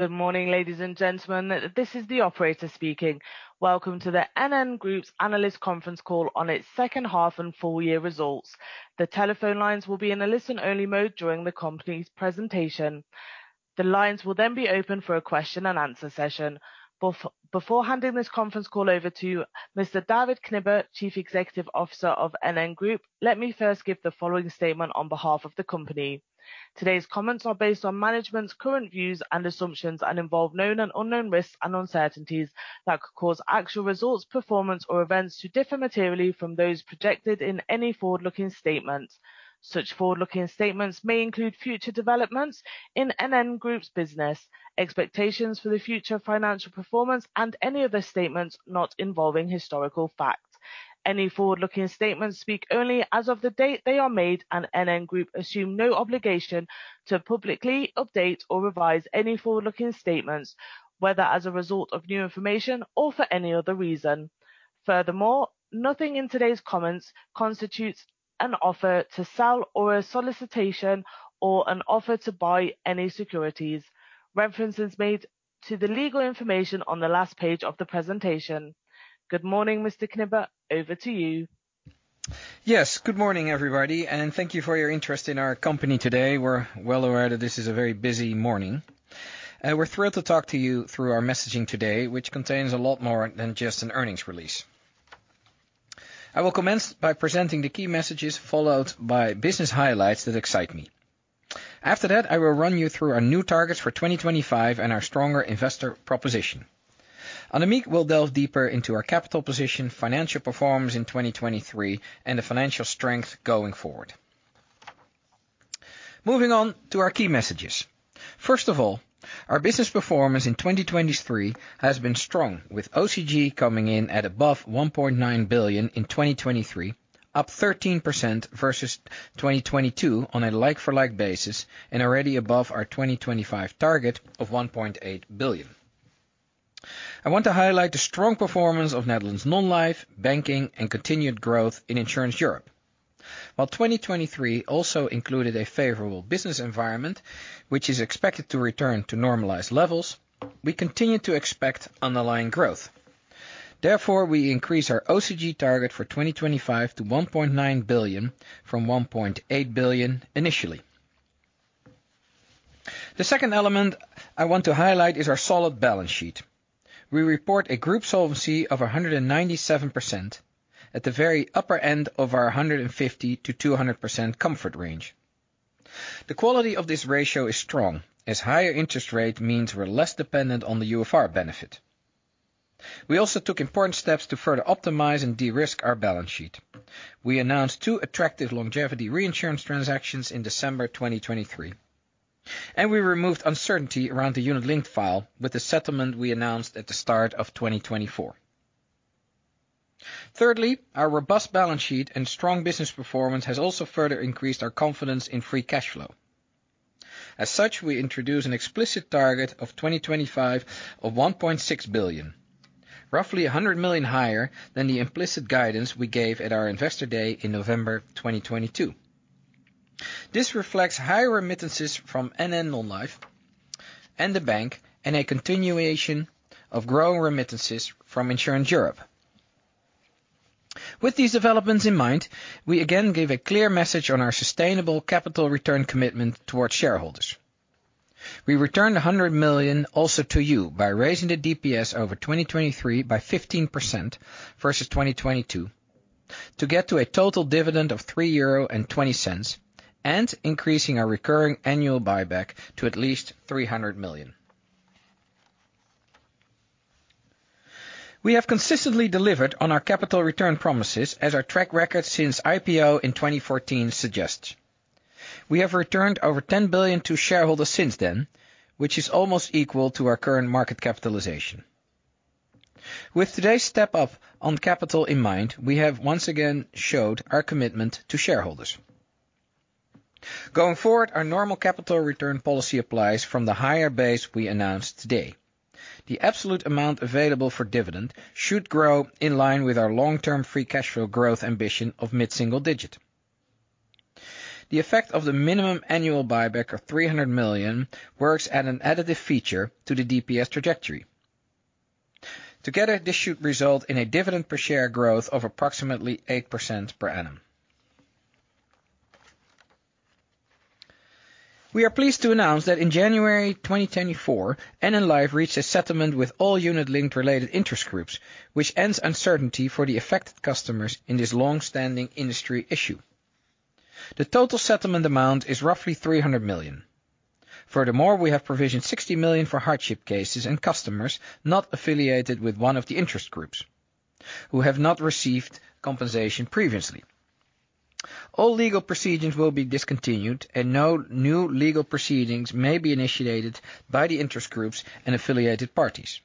Good morning, ladies and gentlemen. This is the operator speaking. Welcome to the NN Group's analyst conference call on its second half and full-year results. The telephone lines will be in a listen-only mode during the company's presentation. The lines will then be open for a Q&A session. Before handing this conference call over to Mr. David Knibbe, Chief Executive Officer of NN Group, let me first give the following statement on behalf of the company: Today's comments are based on management's current views and assumptions and involve known and unknown risks and uncertainties that could cause actual results, performance, or events to differ materially from those projected in any forward-looking statements. Such forward-looking statements may include future developments in NN Group's business, expectations for the future financial performance, and any other statements not involving historical facts. Any forward-looking statements speak only as of the date they are made, and NN Group assumes no obligation to publicly update or revise any forward-looking statements, whether as a result of new information or for any other reason. Furthermore, nothing in today's comments constitutes an offer to sell or a solicitation or an offer to buy any securities. Reference is made to the legal information on the last page of the presentation. Good morning, Mr. Knibbe. Over to you. Yes. Good morning, everybody, and thank you for your interest in our company today. We're well aware that this is a very busy morning. We're thrilled to talk to you through our messaging today, which contains a lot more than just an earnings release. I will commence by presenting the key messages, followed by business highlights that excite me. After that, I will run you through our new targets for 2025 and our stronger investor proposition. Annemiek will delve deeper into our capital position, financial performance in 2023, and the financial strength going forward. Moving on to our key messages. First of all, our business performance in 2023 has been strong, with OCG coming in at above 1.9 billion in 2023, up 13% versus 2022 on a like-for-like basis and already above our 2025 target of 1.8 billion. I want to highlight the strong performance of Netherlands Non-Life, banking, and continued growth in Insurance Europe. While 2023 also included a favorable business environment, which is expected to return to normalized levels, we continue to expect underlying growth. Therefore, we increase our OCG target for 2025 to 1.9 billion from 1.8 billion initially. The second element I want to highlight is our solid balance sheet. We report a group solvency of 197% at the very upper end of our 150%-200% comfort range. The quality of this ratio is strong, as higher interest rates mean we're less dependent on the UFR benefit. We also took important steps to further optimize and de-risk our balance sheet. We announced two attractive longevity reinsurance transactions in December 2023. And we removed uncertainty around the unit-linked file with the settlement we announced at the start of 2024. Thirdly, our robust balance sheet and strong business performance has also further increased our confidence in free cash flow. As such, we introduce an explicit target of 2025 of 1.6 billion, roughly 100 million higher than the implicit guidance we gave at our investor day in November 2022. This reflects higher remittances from NN Non-life and the bank and a continuation of growing remittances from Insurance Europe. With these developments in mind, we again gave a clear message on our sustainable capital return commitment towards shareholders. We returned 100 million also to you by raising the DPS over 2023 by 15% versus 2022 to get to a total dividend of 3.20 euro and increasing our recurring annual buyback to at least 300 million. We have consistently delivered on our capital return promises, as our track record since IPO in 2014 suggests. We have returned over 10 billion to shareholders since then, which is almost equal to our current market capitalization. With today's step up on capital in mind, we have once again showed our commitment to shareholders. Going forward, our normal capital return policy applies from the higher base we announced today. The absolute amount available for dividend should grow in line with our long-term free cash flow growth ambition of mid-single digit. The effect of the minimum annual buyback of 300 million works as an additive feature to the DPS trajectory. Together, this should result in a dividend per share growth of approximately 8% per annum. We are pleased to announce that in January 2024, NN Life reached a settlement with all unit-linked related interest groups, which ends uncertainty for the affected customers in this longstanding industry issue. The total settlement amount is roughly 300 million. Furthermore, we have provisioned 60 million for hardship cases and customers not affiliated with one of the interest groups who have not received compensation previously. All legal proceedings will be discontinued, and no new legal proceedings may be initiated by the interest groups and affiliated parties.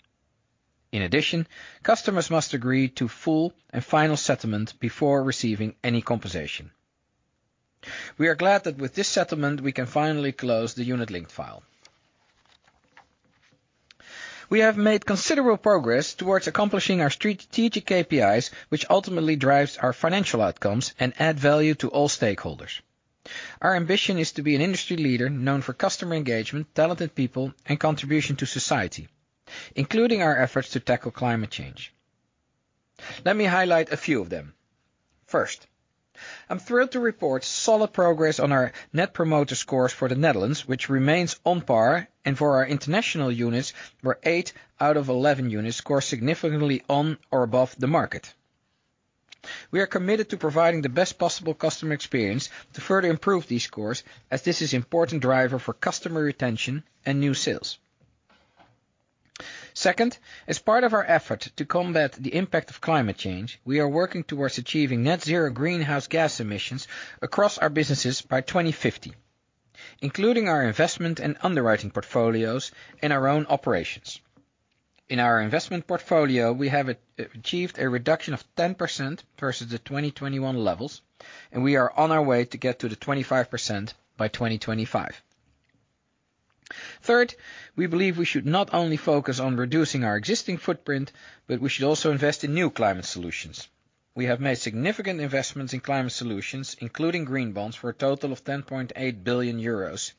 In addition, customers must agree to full and final settlement before receiving any compensation. We are glad that with this settlement, we can finally close the unit-linked file. We have made considerable progress towards accomplishing our strategic KPIs, which ultimately drive our financial outcomes and add value to all stakeholders. Our ambition is to be an industry leader known for customer engagement, talented people, and contribution to society, including our efforts to tackle climate change. Let me highlight a few of them. First, I'm thrilled to report solid progress on our net promoter scores for the Netherlands, which remains on par, and for our international units, where eight out of 11 units score significantly on or above the market. We are committed to providing the best possible customer experience to further improve these scores, as this is an important driver for customer retention and new sales. Second, as part of our effort to combat the impact of climate change, we are working towards achieving net zero greenhouse gas emissions across our businesses by 2050, including our investment and underwriting portfolios and our own operations. In our investment portfolio, we have achieved a reduction of 10% versus the 2021 levels, and we are on our way to get to the 25% by 2025. Third, we believe we should not only focus on reducing our existing footprint, but we should also invest in new climate solutions. We have made significant investments in climate solutions, including green bonds, for a total of 10.8 billion euros,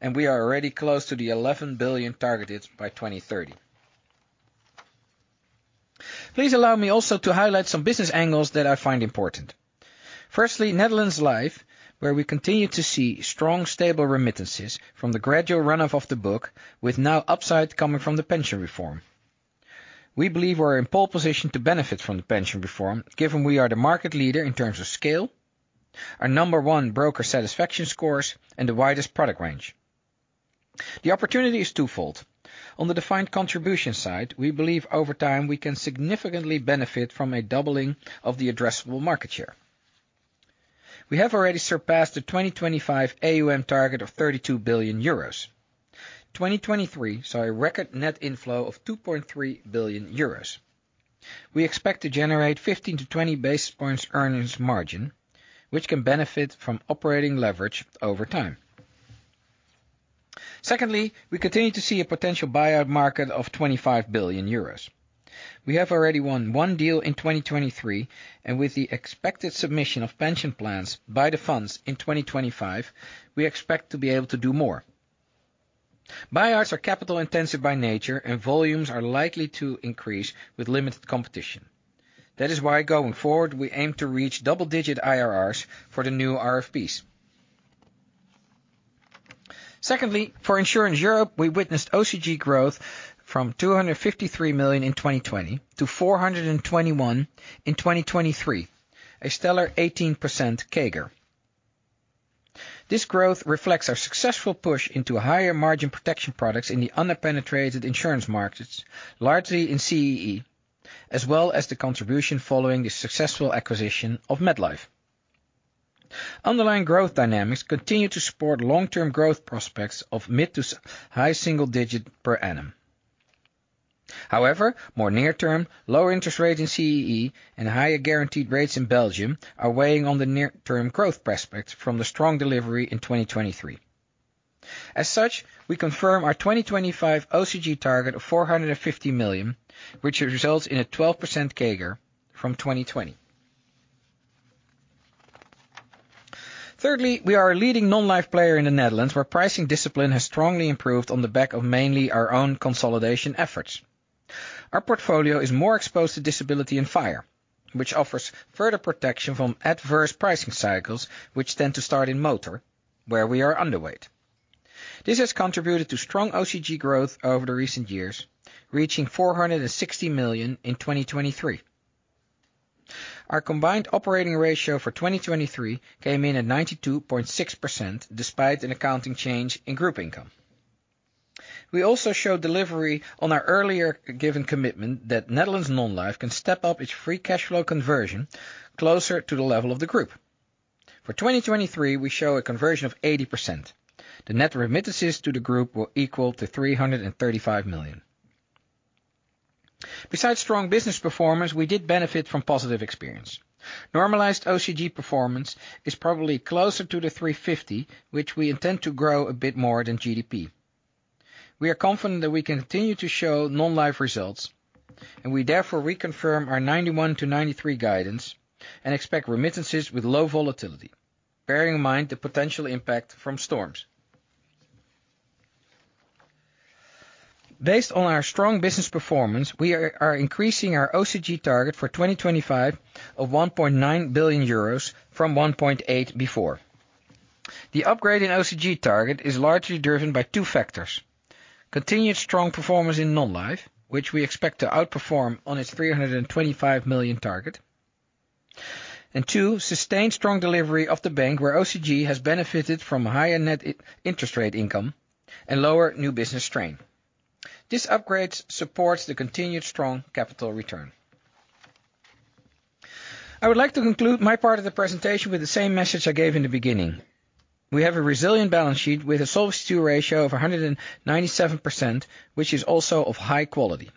and we are already close to the 11 billion targeted by 2030. Please allow me also to highlight some business angles that I find important. Firstly, Netherlands Life, where we continue to see strong, stable remittances from the gradual runoff of the book, with now upside coming from the pension reform. We believe we're in a pole position to benefit from the pension reform, given we are the market leader in terms of scale, our number one broker satisfaction scores, and the widest product range. The opportunity is twofold. On the defined contribution side, we believe over time we can significantly benefit from a doubling of the addressable market share. We have already surpassed the 2025 AUM target of 32 billion euros. 2023 saw a record net inflow of 2.3 billion euros. We expect to generate 15-20 basis points earnings margin, which can benefit from operating leverage over time. Secondly, we continue to see a potential buyout market of 25 billion euros. We have already won one deal in 2023, and with the expected submission of pension plans by the funds in 2025, we expect to be able to do more. Buyouts are capital-intensive by nature, and volumes are likely to increase with limited competition. That is why, going forward, we aim to reach double-digit IRRs for the new RFPs. Secondly, for Insurance Europe, we witnessed OCG growth from 253 million in 2020 to 421 million in 2023, a stellar 18% CAGR. This growth reflects our successful push into higher margin protection products in the under-penetrated insurance markets, largely in CEE, as well as the contribution following the successful acquisition of MetLife. Underlying growth dynamics continue to support long-term growth prospects of mid to high single digit per annum. However, more near-term, lower interest rates in CEE, and higher guaranteed rates in Belgium are weighing on the near-term growth prospects from the strong delivery in 2023. As such, we confirm our 2025 OCG target of 450 million, which results in a 12% CAGR from 2020. Thirdly, we are a leading non-life player in the Netherlands, where pricing discipline has strongly improved on the back of mainly our own consolidation efforts. Our portfolio is more exposed to disability and fire, which offers further protection from adverse pricing cycles, which tend to start in motor, where we are underweight. This has contributed to strong OCG growth over the recent years, reaching 460 million in 2023. Our Combined Operating Ratio for 2023 came in at 92.6% despite an accounting change in group income. We also show delivery on our earlier given commitment that Netherlands Non-life can step up its free cash flow conversion closer to the level of the group. For 2023, we show a conversion of 80%. The net remittances to the group were equal to 335 million. Besides strong business performance, we did benefit from positive experience. Normalized OCG performance is probably closer to the 350 million, which we intend to grow a bit more than GDP. We are confident that we continue to show non-life results, and we therefore reconfirm our 91%-93% guidance and expect remittances with low volatility, bearing in mind the potential impact from storms. Based on our strong business performance, we are increasing our OCG target for 2025 of 1.9 billion euros from 1.8 billion before. The upgrade in OCG target is largely driven by two factors: continued strong performance in non-life, which we expect to outperform on its 325 million target, and two, sustained strong delivery of the bank, where OCG has benefited from higher net interest rate income and lower new business strain. This upgrade supports the continued strong capital return. I would like to conclude my part of the presentation with the same message I gave in the beginning. We have a resilient balance sheet with a solvency ratio of 197%, which is also of high quality.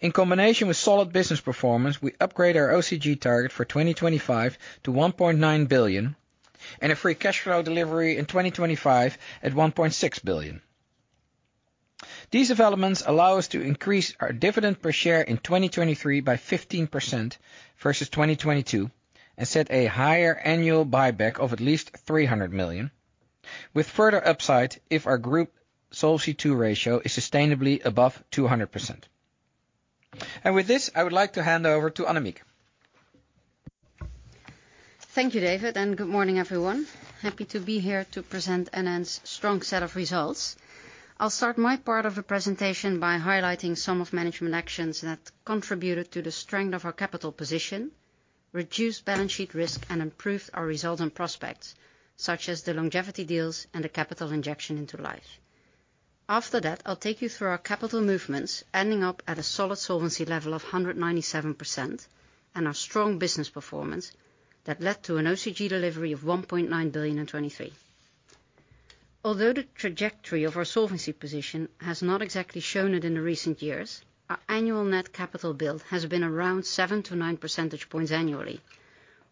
In combination with solid business performance, we upgrade our OCG target for 2025 to 1.9 billion and a free cash flow delivery in 2025 at 1.6 billion. These developments allow us to increase our dividend per share in 2023 by 15% versus 2022 and set a higher annual buyback of at least 300 million, with further upside if our group solvency ratio is sustainably above 200%. And with this, I would like to hand over to Annemiek. Thank you, David, and good morning, everyone. Happy to be here to present NN's strong set of results. I'll start my part of the presentation by highlighting some of the management actions that contributed to the strength of our capital position, reduced balance sheet risk, and improved our results and prospects, such as the longevity deals and the capital injection into life. After that, I'll take you through our capital movements, ending up at a solid solvency level of 197% and our strong business performance that led to an OCG delivery of 1.9 billion in 2023. Although the trajectory of our solvency position has not exactly shown it in the recent years, our annual net capital build has been around 7-9 percentage points annually.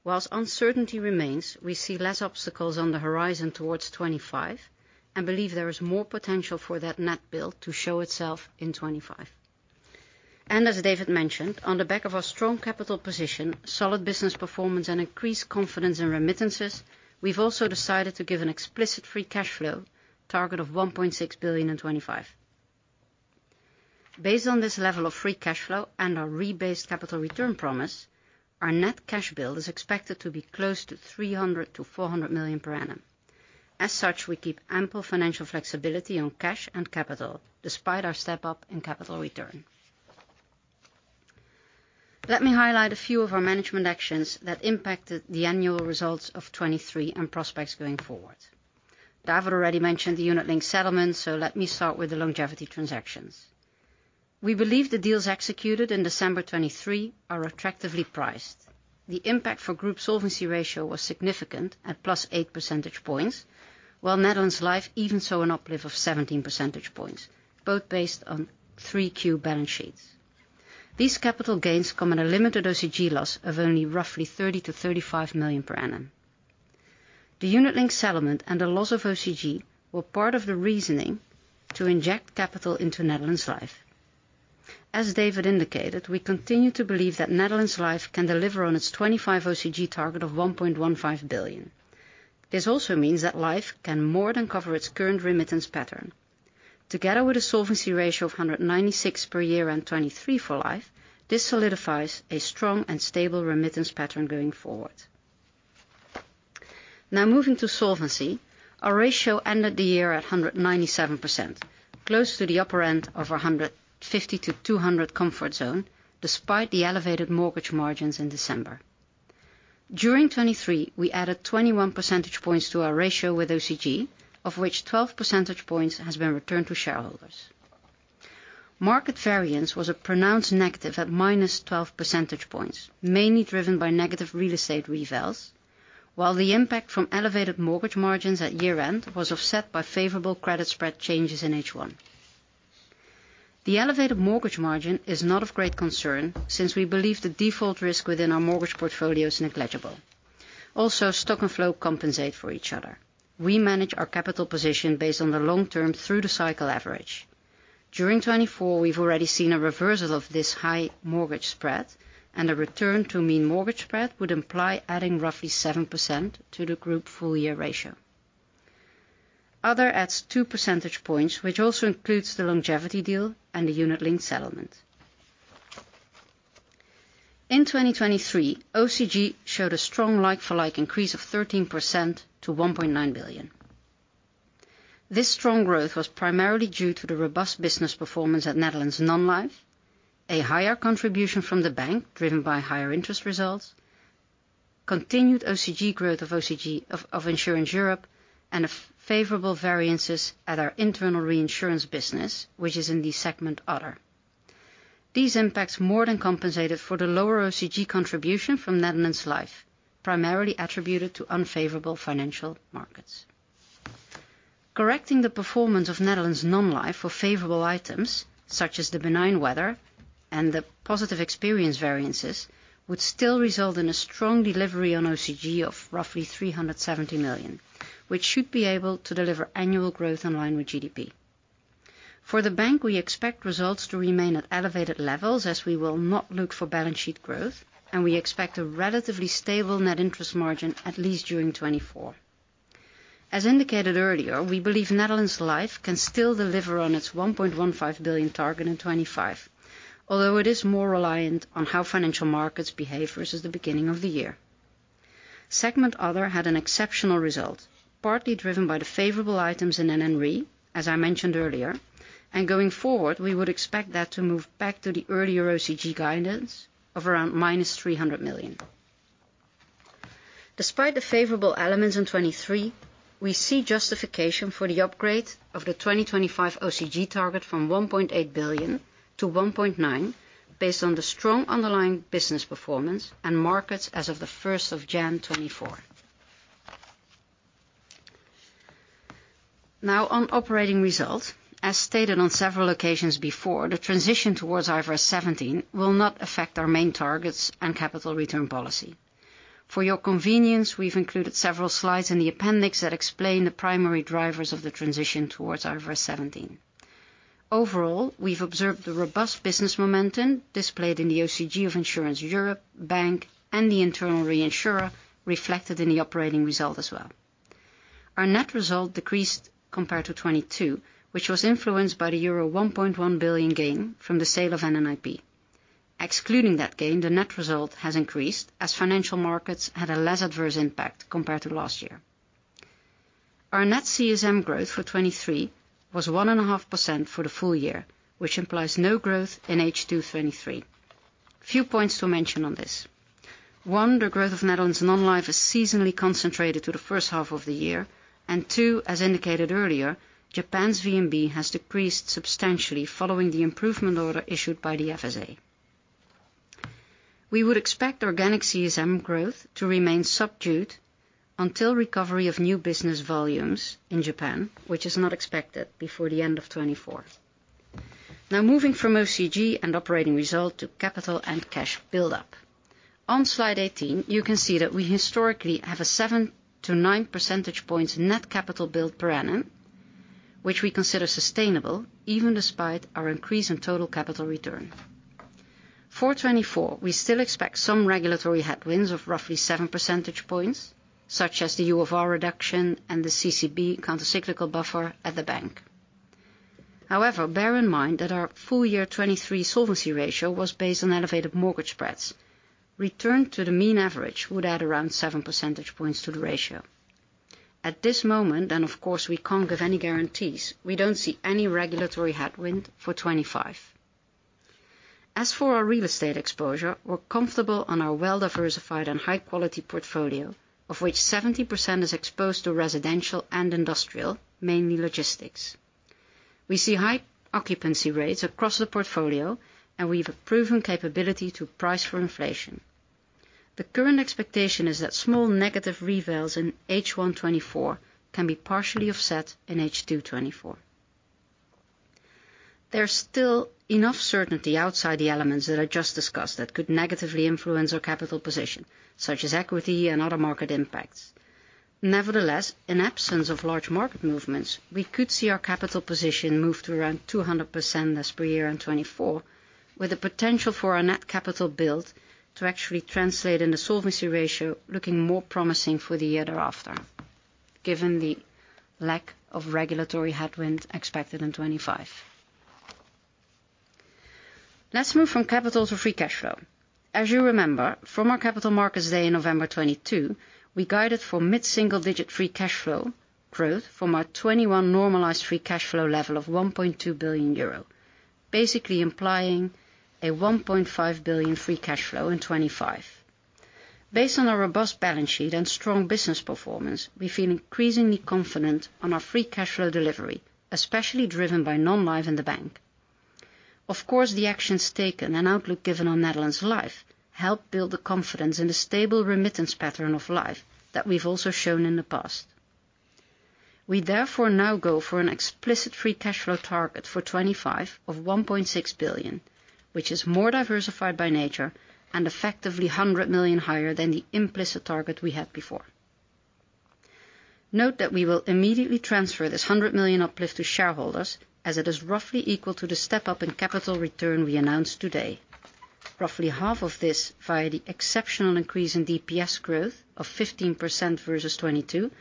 While uncertainty remains, we see less obstacles on the horizon towards 2025 and believe there is more potential for that net build to show itself in 2025. And as David mentioned, on the back of our strong capital position, solid business performance, and increased confidence in remittances, we've also decided to give an explicit free cash flow target of 1.6 billion in 2025. Based on this level of free cash flow and our REIT-based capital return promise, our net cash build is expected to be close to 300 million-400 million per annum. As such, we keep ample financial flexibility on cash and capital despite our step up in capital return. Let me highlight a few of our management actions that impacted the annual results of 2023 and prospects going forward. David already mentioned the unit-linked settlement, so let me start with the longevity transactions. We believe the deals executed in December 2023 are attractively priced. The impact for group solvency ratio was significant at +8 percentage points, while Netherlands Life even saw an uplift of 17 percentage points, both based on 3Q balance sheets. These capital gains come at a limited OCG loss of only roughly 30-35 million per annum. The unit-linked settlement and the loss of OCG were part of the reasoning to inject capital into Netherlands Life. As David indicated, we continue to believe that Netherlands Life can deliver on its 2025 OCG target of 1.15 billion. This also means that Life can more than cover its current remittance pattern. Together with a solvency ratio of 196% for 2023 for Life, this solidifies a strong and stable remittance pattern going forward. Now, moving to solvency, our ratio ended the year at 197%, close to the upper end of our 150%-200% comfort zone despite the elevated mortgage margins in December. During 2023, we added 21 percentage points to our ratio with OCG, of which 12 percentage points have been returned to shareholders. Market variance was a pronounced negative at -12 percentage points, mainly driven by negative real estate revalues, while the impact from elevated mortgage margins at year-end was offset by favorable credit spread changes in H1. The elevated mortgage margin is not of great concern since we believe the default risk within our mortgage portfolios is negligible. Also, stock and flow compensate for each other. We manage our capital position based on the long-term through-the-cycle average. During 2024, we've already seen a reversal of this high mortgage spread, and a return to mean mortgage spread would imply adding roughly 7% to the group full-year ratio. Other adds 2 percentage points, which also includes the longevity deal and the unit-linked settlement. In 2023, OCG showed a strong like-for-like increase of 13% to 1.9 billion. This strong growth was primarily due to the robust business performance at Netherlands Non-life, a higher contribution from the bank driven by higher interest results, continued OCG growth of Insurance Europe, and favorable variances at our internal reinsurance business, which is in the segment Other. These impacts more than compensated for the lower OCG contribution from Netherlands Life, primarily attributed to unfavorable financial markets. Correcting the performance of Netherlands Non-life for favorable items, such as the benign weather and the positive experience variances, would still result in a strong delivery on OCG of roughly 370 million, which should be able to deliver annual growth in line with GDP. For the bank, we expect results to remain at elevated levels as we will not look for balance sheet growth, and we expect a relatively stable net interest margin at least during 2024. As indicated earlier, we believe Netherlands Life can still deliver on its 1.15 billion target in 2025, although it is more reliant on how financial markets behave versus the beginning of the year. Segment Other had an exceptional result, partly driven by the favorable items in NN Re, as I mentioned earlier, and going forward, we would expect that to move back to the earlier OCG guidance of around minus 300 million. Despite the favorable elements in 2023, we see justification for the upgrade of the 2025 OCG target from 1.8 billion to 1.9 billion based on the strong underlying business performance and markets as of January 1st, 2024. Now, on operating results, as stated on several occasions before, the transition towards IFRS 17 will not affect our main targets and capital return policy. For your convenience, we've included several slides in the appendix that explain the primary drivers of the transition towards IFRS 17. Overall, we've observed the robust business momentum displayed in the OCG of Insurance Europe, bank, and the internal reinsurer reflected in the operating result as well. Our net result decreased compared to 2022, which was influenced by the euro 1.1 billion gain from the sale of NNIP. Excluding that gain, the net result has increased as financial markets had a less adverse impact compared to last year. Our net CSM growth for 2023 was 1.5% for the full year, which implies no growth in H2 2023. Few points to mention on this. One, the growth of Netherlands Non-life is seasonally concentrated to the first half of the year, and two, as indicated earlier, Japan's VNB has decreased substantially following the improvement order issued by the FSA. We would expect organic CSM growth to remain subdued until recovery of new business volumes in Japan, which is not expected before the end of 2024. Now, moving from OCG and operating result to capital and cash buildup. On slide 18, you can see that we historically have a 7-9 percentage points net capital build per annum, which we consider sustainable even despite our increase in total capital return. For 2024, we still expect some regulatory headwinds of roughly 7 percentage points, such as the UFR reduction and the CCB countercyclical buffer at the bank. However, bear in mind that our full-year 2023 solvency ratio was based on elevated mortgage spreads. Return to the mean average would add around 7 percentage points to the ratio. At this moment, and of course, we can't give any guarantees, we don't see any regulatory headwind for 2025. As for our real estate exposure, we're comfortable on our well-diversified and high-quality portfolio, of which 70% is exposed to residential and industrial, mainly logistics. We see high occupancy rates across the portfolio, and we have a proven capability to price for inflation. The current expectation is that small negative revalues in H1 2024 can be partially offset in H2 2024. There's still enough certainty outside the elements that I just discussed that could negatively influence our capital position, such as equity and other market impacts. Nevertheless, in absence of large market movements, we could see our capital position moved to around 200% as per year in 2024, with the potential for our net capital build to actually translate in the solvency ratio looking more promising for the year thereafter, given the lack of regulatory headwind expected in 2025. Let's move from capital to free cash flow. As you remember, from our Capital Markets Day in November 2022, we guided for mid-single-digit free cash flow growth from our 2021 normalized free cash flow level of 1.2 billion euro, basically implying a 1.5 billion free cash flow in 2025. Based on our robust balance sheet and strong business performance, we feel increasingly confident on our free cash flow delivery, especially driven by Nonlife and the bank. Of course, the actions taken and outlook given on Netherlands Life help build the confidence in the stable remittance pattern of Life that we've also shown in the past. We therefore now go for an explicit free cash flow target for 2025 of 1.6 billion, which is more diversified by nature and effectively 100 million higher than the implicit target we had before. Note that we will immediately transfer this 100 million uplift to shareholders as it is roughly equal to the step up in capital return we announced today, roughly half of this via the exceptional increase in DPS growth of 15% versus 2022,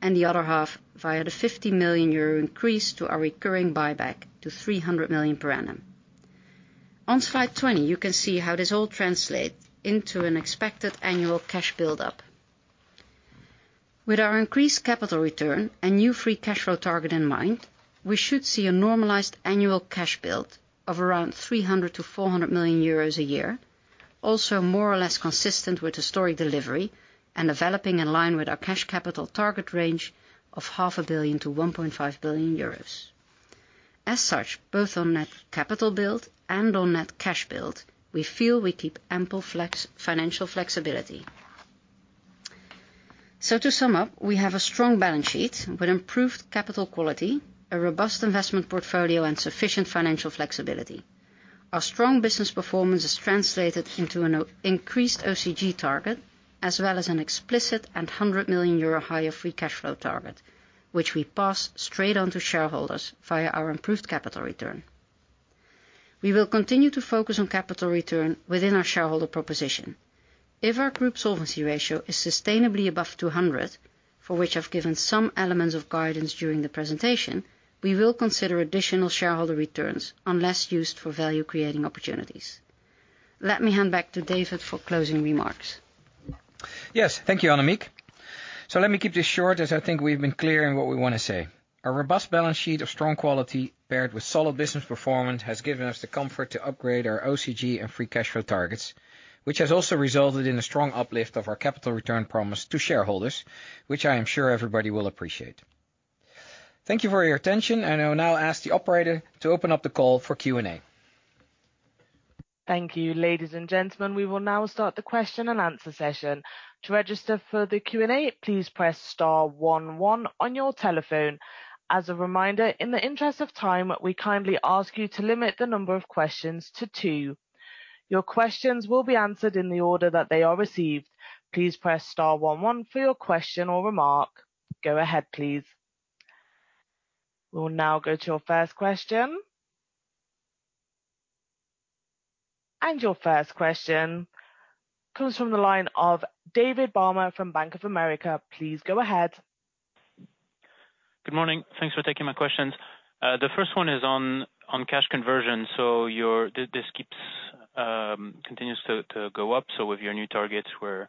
and the other half via the 50 million euro increase to our recurring buyback to 300 million per annum. On slide 20, you can see how this all translates into an expected annual cash buildup. With our increased capital return and new free cash flow target in mind, we should see a normalized annual cash build of around 300 million-400 million euros a year, also more or less consistent with historic delivery and developing in line with our cash capital target range of 500 million to 1.5 billion euros. As such, both on net capital build and on net cash build, we feel we keep ample financial flexibility. So, to sum up, we have a strong balance sheet with improved capital quality, a robust investment portfolio, and sufficient financial flexibility. Our strong business performance is translated into an increased OCG target as well as an explicit and 100 million euro higher free cash flow target, which we pass straight on to shareholders via our improved capital return. We will continue to focus on capital return within our shareholder proposition. If our group solvency ratio is sustainably above 200, for which I've given some elements of guidance during the presentation, we will consider additional shareholder returns unless used for value-creating opportunities. Let me hand back to David for closing remarks. Yes. Thank you, Annemiek. So, let me keep this short as I think we've been clear in what we want to say. Our robust balance sheet of strong quality paired with solid business performance has given us the comfort to upgrade our OCG and free cash flow targets, which has also resulted in a strong uplift of our capital return promise to shareholders, which I am sure everybody will appreciate. Thank you for your attention. I will now ask the operator to open up the call for Q&A. Thank you, ladies and gentlemen. We will now start the Q&A session. To register for the Q&A, please press star one one on your telephone. As a reminder, in the interest of time, we kindly ask you to limit the number of questions to two. Your questions will be answered in the order that they are received. Please press star one one for your question or remark. Go ahead, please. We will now go to your first question. Your first question comes from the line of David Barma from Bank of America. Please go ahead. Good morning. Thanks for taking my questions. The first one is on cash conversion. So your this keeps continues to go up. So with your new targets, we're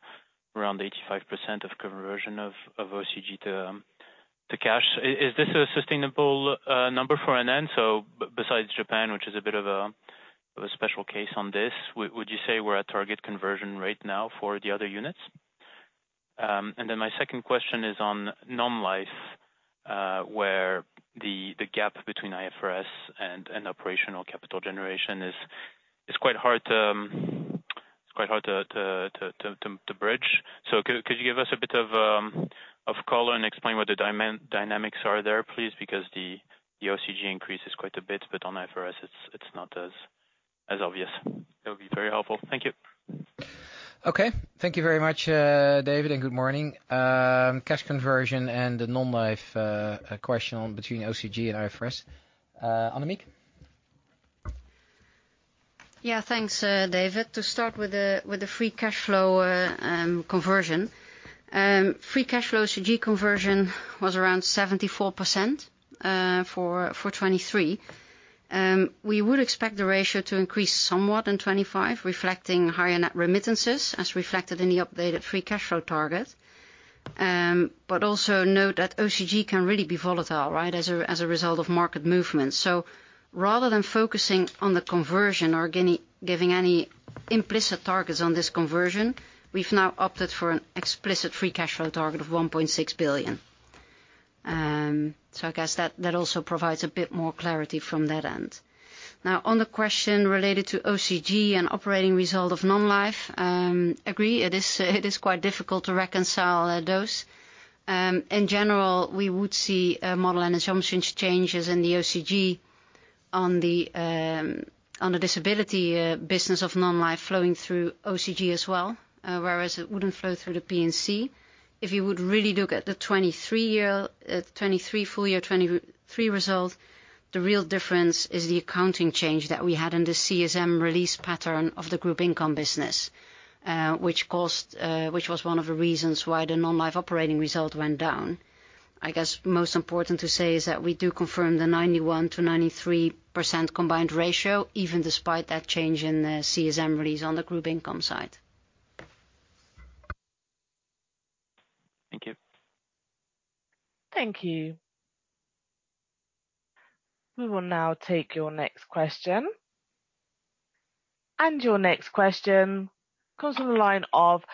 around 85% conversion of OCG to cash. Is this a sustainable number for NN? Besides Japan, which is a bit of a special case on this, would you say we're at target conversion rate now for the other units? And then my second question is on Non-life, where the gap between IFRS and operational capital generation is quite hard; it's quite hard to bridge. Could you give us a bit of color and explain what the main dynamics are there, please? Because the OCG increase is quite a bit, but on IFRS, it's not as obvious. That would be very helpful. Thank you. Okay. Thank you very much, David, and good morning. Cash conversion and the Non-life question on between OCG and IFRS. Annemiek? Yeah. Thanks, David. To start with the free cash flow conversion, free cash flow OCG conversion was around 74% for 2023. We would expect the ratio to increase somewhat in 2025, reflecting higher net remittances as reflected in the updated free cash flow target. But also note that OCG can really be volatile, right, as a as a result of market movements. So rather than focusing on the conversion or giving any implicit targets on this conversion, we've now opted for an explicit free cash flow target of 1.6 billion. So I guess that, that also provides a bit more clarity from that end. Now, on the question related to OCG and operating result of non-life, agree. It is it is quite difficult to reconcile, those. In general, we would see a model and assumptions changes in the OCG on the, on the disability, business of non-life flowing through OCG as well, whereas it wouldn't flow through the P&C. If you would really look at the 2023 year 2023 full year 2023 result, the real difference is the accounting change that we had in the CSM release pattern of the group income business, which caused which was one of the reasons why the Non-life operating result went down. I guess most important to say is that we do confirm the 91%-93% combined ratio, even despite that change in the CSM release on the group income side. Thank you. Thank you. We will now take your next question. And your next question comes on the line of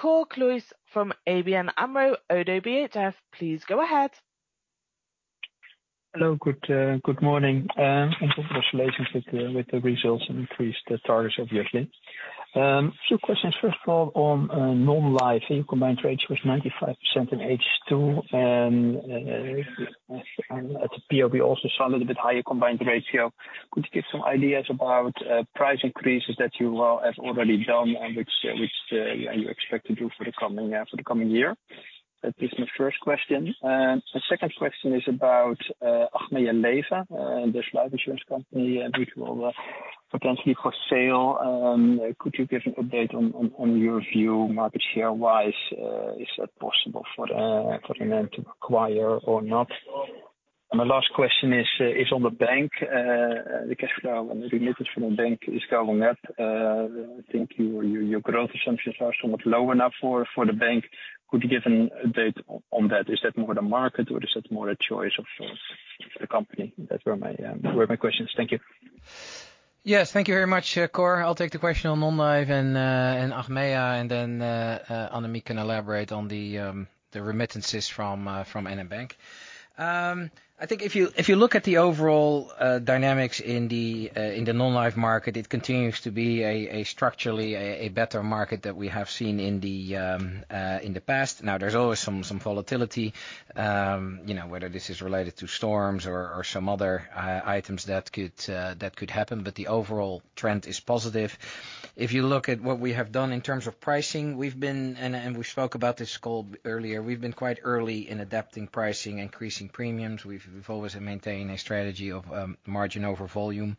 Cor Kluis from ABN AMRO – ODDO BHF. Please go ahead. Hello. Good, good morning. and congratulations with the with the results and increased targets obviously. two questions. First of all, on, Non-life, your combined ratio was 95% in H2, and, at the PO we also saw a little bit higher combined ratio. Could you give some ideas about price increases that you all have already done and which you expect to do for the coming year? That is my first question. My second question is about Achmea, the life insurance company, which will potentially for sale. Could you give an update on your view market share-wise? Is that possible for NN to acquire or not? My last question is on the bank. The cash flow and the remittance from the bank is going up. I think your growth assumptions are somewhat low enough for the bank. Could you give an update on that? Is that more the market, or is that more a choice of the company? That were my questions. Thank you. Yes. Thank you very much, Cor. I'll take the question on Non-life and Achmea, and then Annemiek can elaborate on the remittances from NN Bank. I think if you look at the overall dynamics in the Non-life market, it continues to be a structurally better market that we have seen in the past. Now, there's always some volatility, you know, whether this is related to storms or some other items that could happen, but the overall trend is positive. If you look at what we have done in terms of pricing, we've been, and we spoke about this call earlier. We've always maintained a strategy of margin over volume.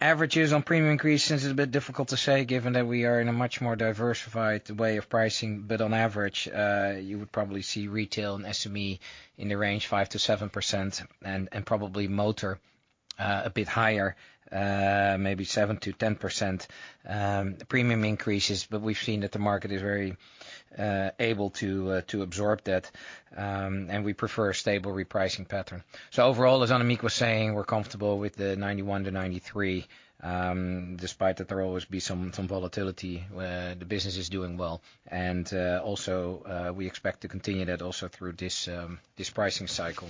Averages on premium increases is a bit difficult to say given that we are in a much more diversified way of pricing, but on average, you would probably see retail and SME in the range 5%-7% and probably motor, a bit higher, maybe 7%-10%, premium increases, but we've seen that the market is very able to absorb that, and we prefer a stable repricing pattern. So overall, as Annemiek was saying, we're comfortable with the 91%-93%, despite that there'll always be some volatility where the business is doing well. And also, we expect to continue that also through this pricing cycle.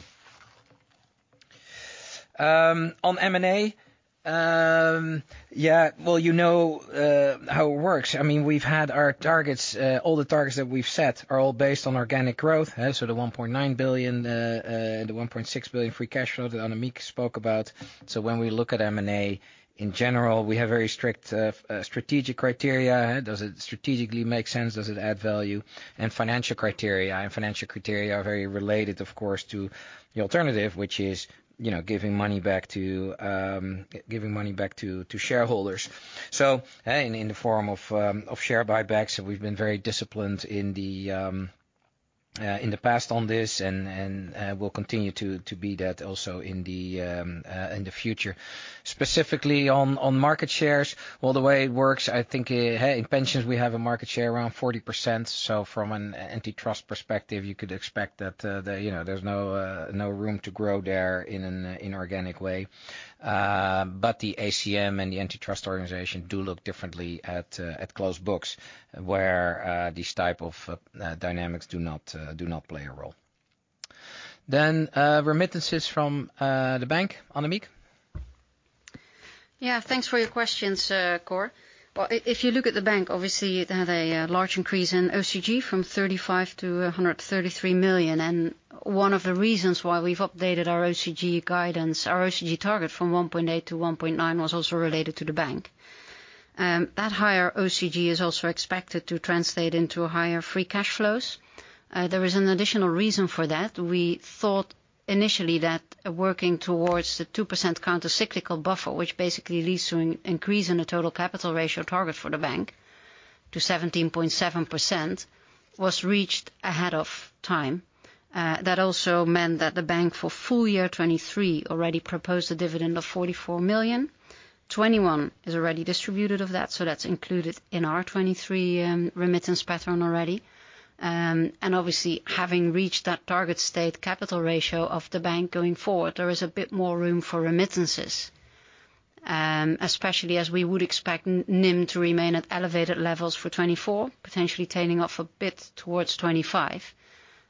On M&A, yeah. Well, you know, how it works. I mean, we've had our targets all the targets that we've set are all based on organic growth, huh? So, the 1.9 billion, the 1.6 billion free cash flow that Annemiek spoke about. So, when we look at M&A in general, we have very strict, strategic criteria. Does it strategically make sense? Does it add value? And financial criteria. And financial criteria are very related, of course, to the alternative, which is, you know, giving money back to, giving money back to, to shareholders. So, in the form of share buybacks, we've been very disciplined in the past on this and, we'll continue to be that also in the future. Specifically on market shares, well, the way it works, I think, in pensions, we have a market share around 40%. So, from an antitrust perspective, you could expect that, you know, there's no room to grow there in an inorganic way. but the ACM and the antitrust organization do look differently at closed books where these type of dynamics do not play a role. Then, remittances from the bank. Annemiek? Yeah. Thanks for your questions, Cor. Well, if you look at the bank, obviously, it had a large increase in OCG from 35 million-133 million. And one of the reasons why we've updated our OCG guidance, our OCG target from 1.8 million-1.9 million was also related to the bank. That higher OCG is also expected to translate into higher free cash flows. There is an additional reason for that. We thought initially that working towards the 2% countercyclical buffer, which basically leads to an increase in the total capital ratio target for the bank to 17.7%, was reached ahead of time. That also meant that the bank for full year 2023 already proposed a dividend of 44 million. 2021 is already distributed of that, so that's included in our 2023 remittance pattern already. And obviously, having reached that target state capital ratio of the bank going forward, there is a bit more room for remittances, especially as we would expect NIM to remain at elevated levels for 2024, potentially tailing off a bit towards 2025,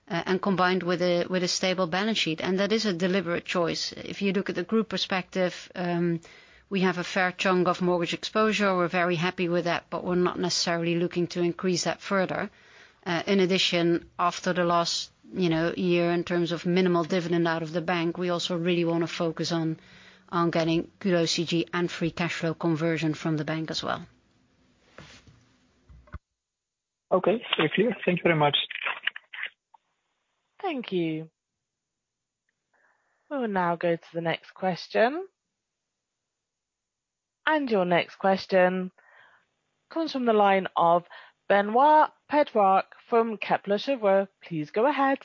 and combined with a with a stable balance sheet. That is a deliberate choice. If you look at the group perspective, we have a fair chunk of mortgage exposure. We're very happy with that, but we're not necessarily looking to increase that further. In addition, after the last, you know, year in terms of minimal dividend out of the bank, we also really want to focus on, on getting good OCG and free cash flow conversion from the bank as well. Okay. Very clear. Thank you very much. Thank you. We will now go to the next question. And your next question comes from the line of Benoît Pétrarque from Kepler Cheuvreux. Please go ahead.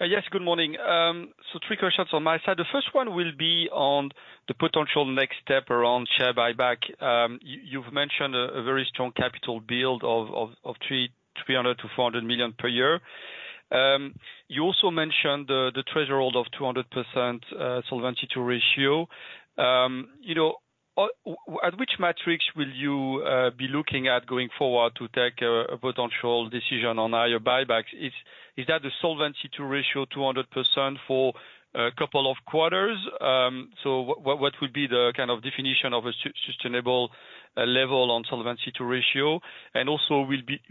Yes. Good morning. So, three quick shots on my side. The first one will be on the potential next step around share buyback. You've mentioned a very strong capital build of, of, of 300 million-400 million per year. You also mentioned the, the treasury hold of 200% Solvency II ratio. You know, o at which metrics will you, be looking at going forward to take a potential decision on higher buybacks? Is that the Solvency II ratio 200% for a couple of quarters? So, what would be the kind of definition of a sustainable level on Solvency II ratio? And also,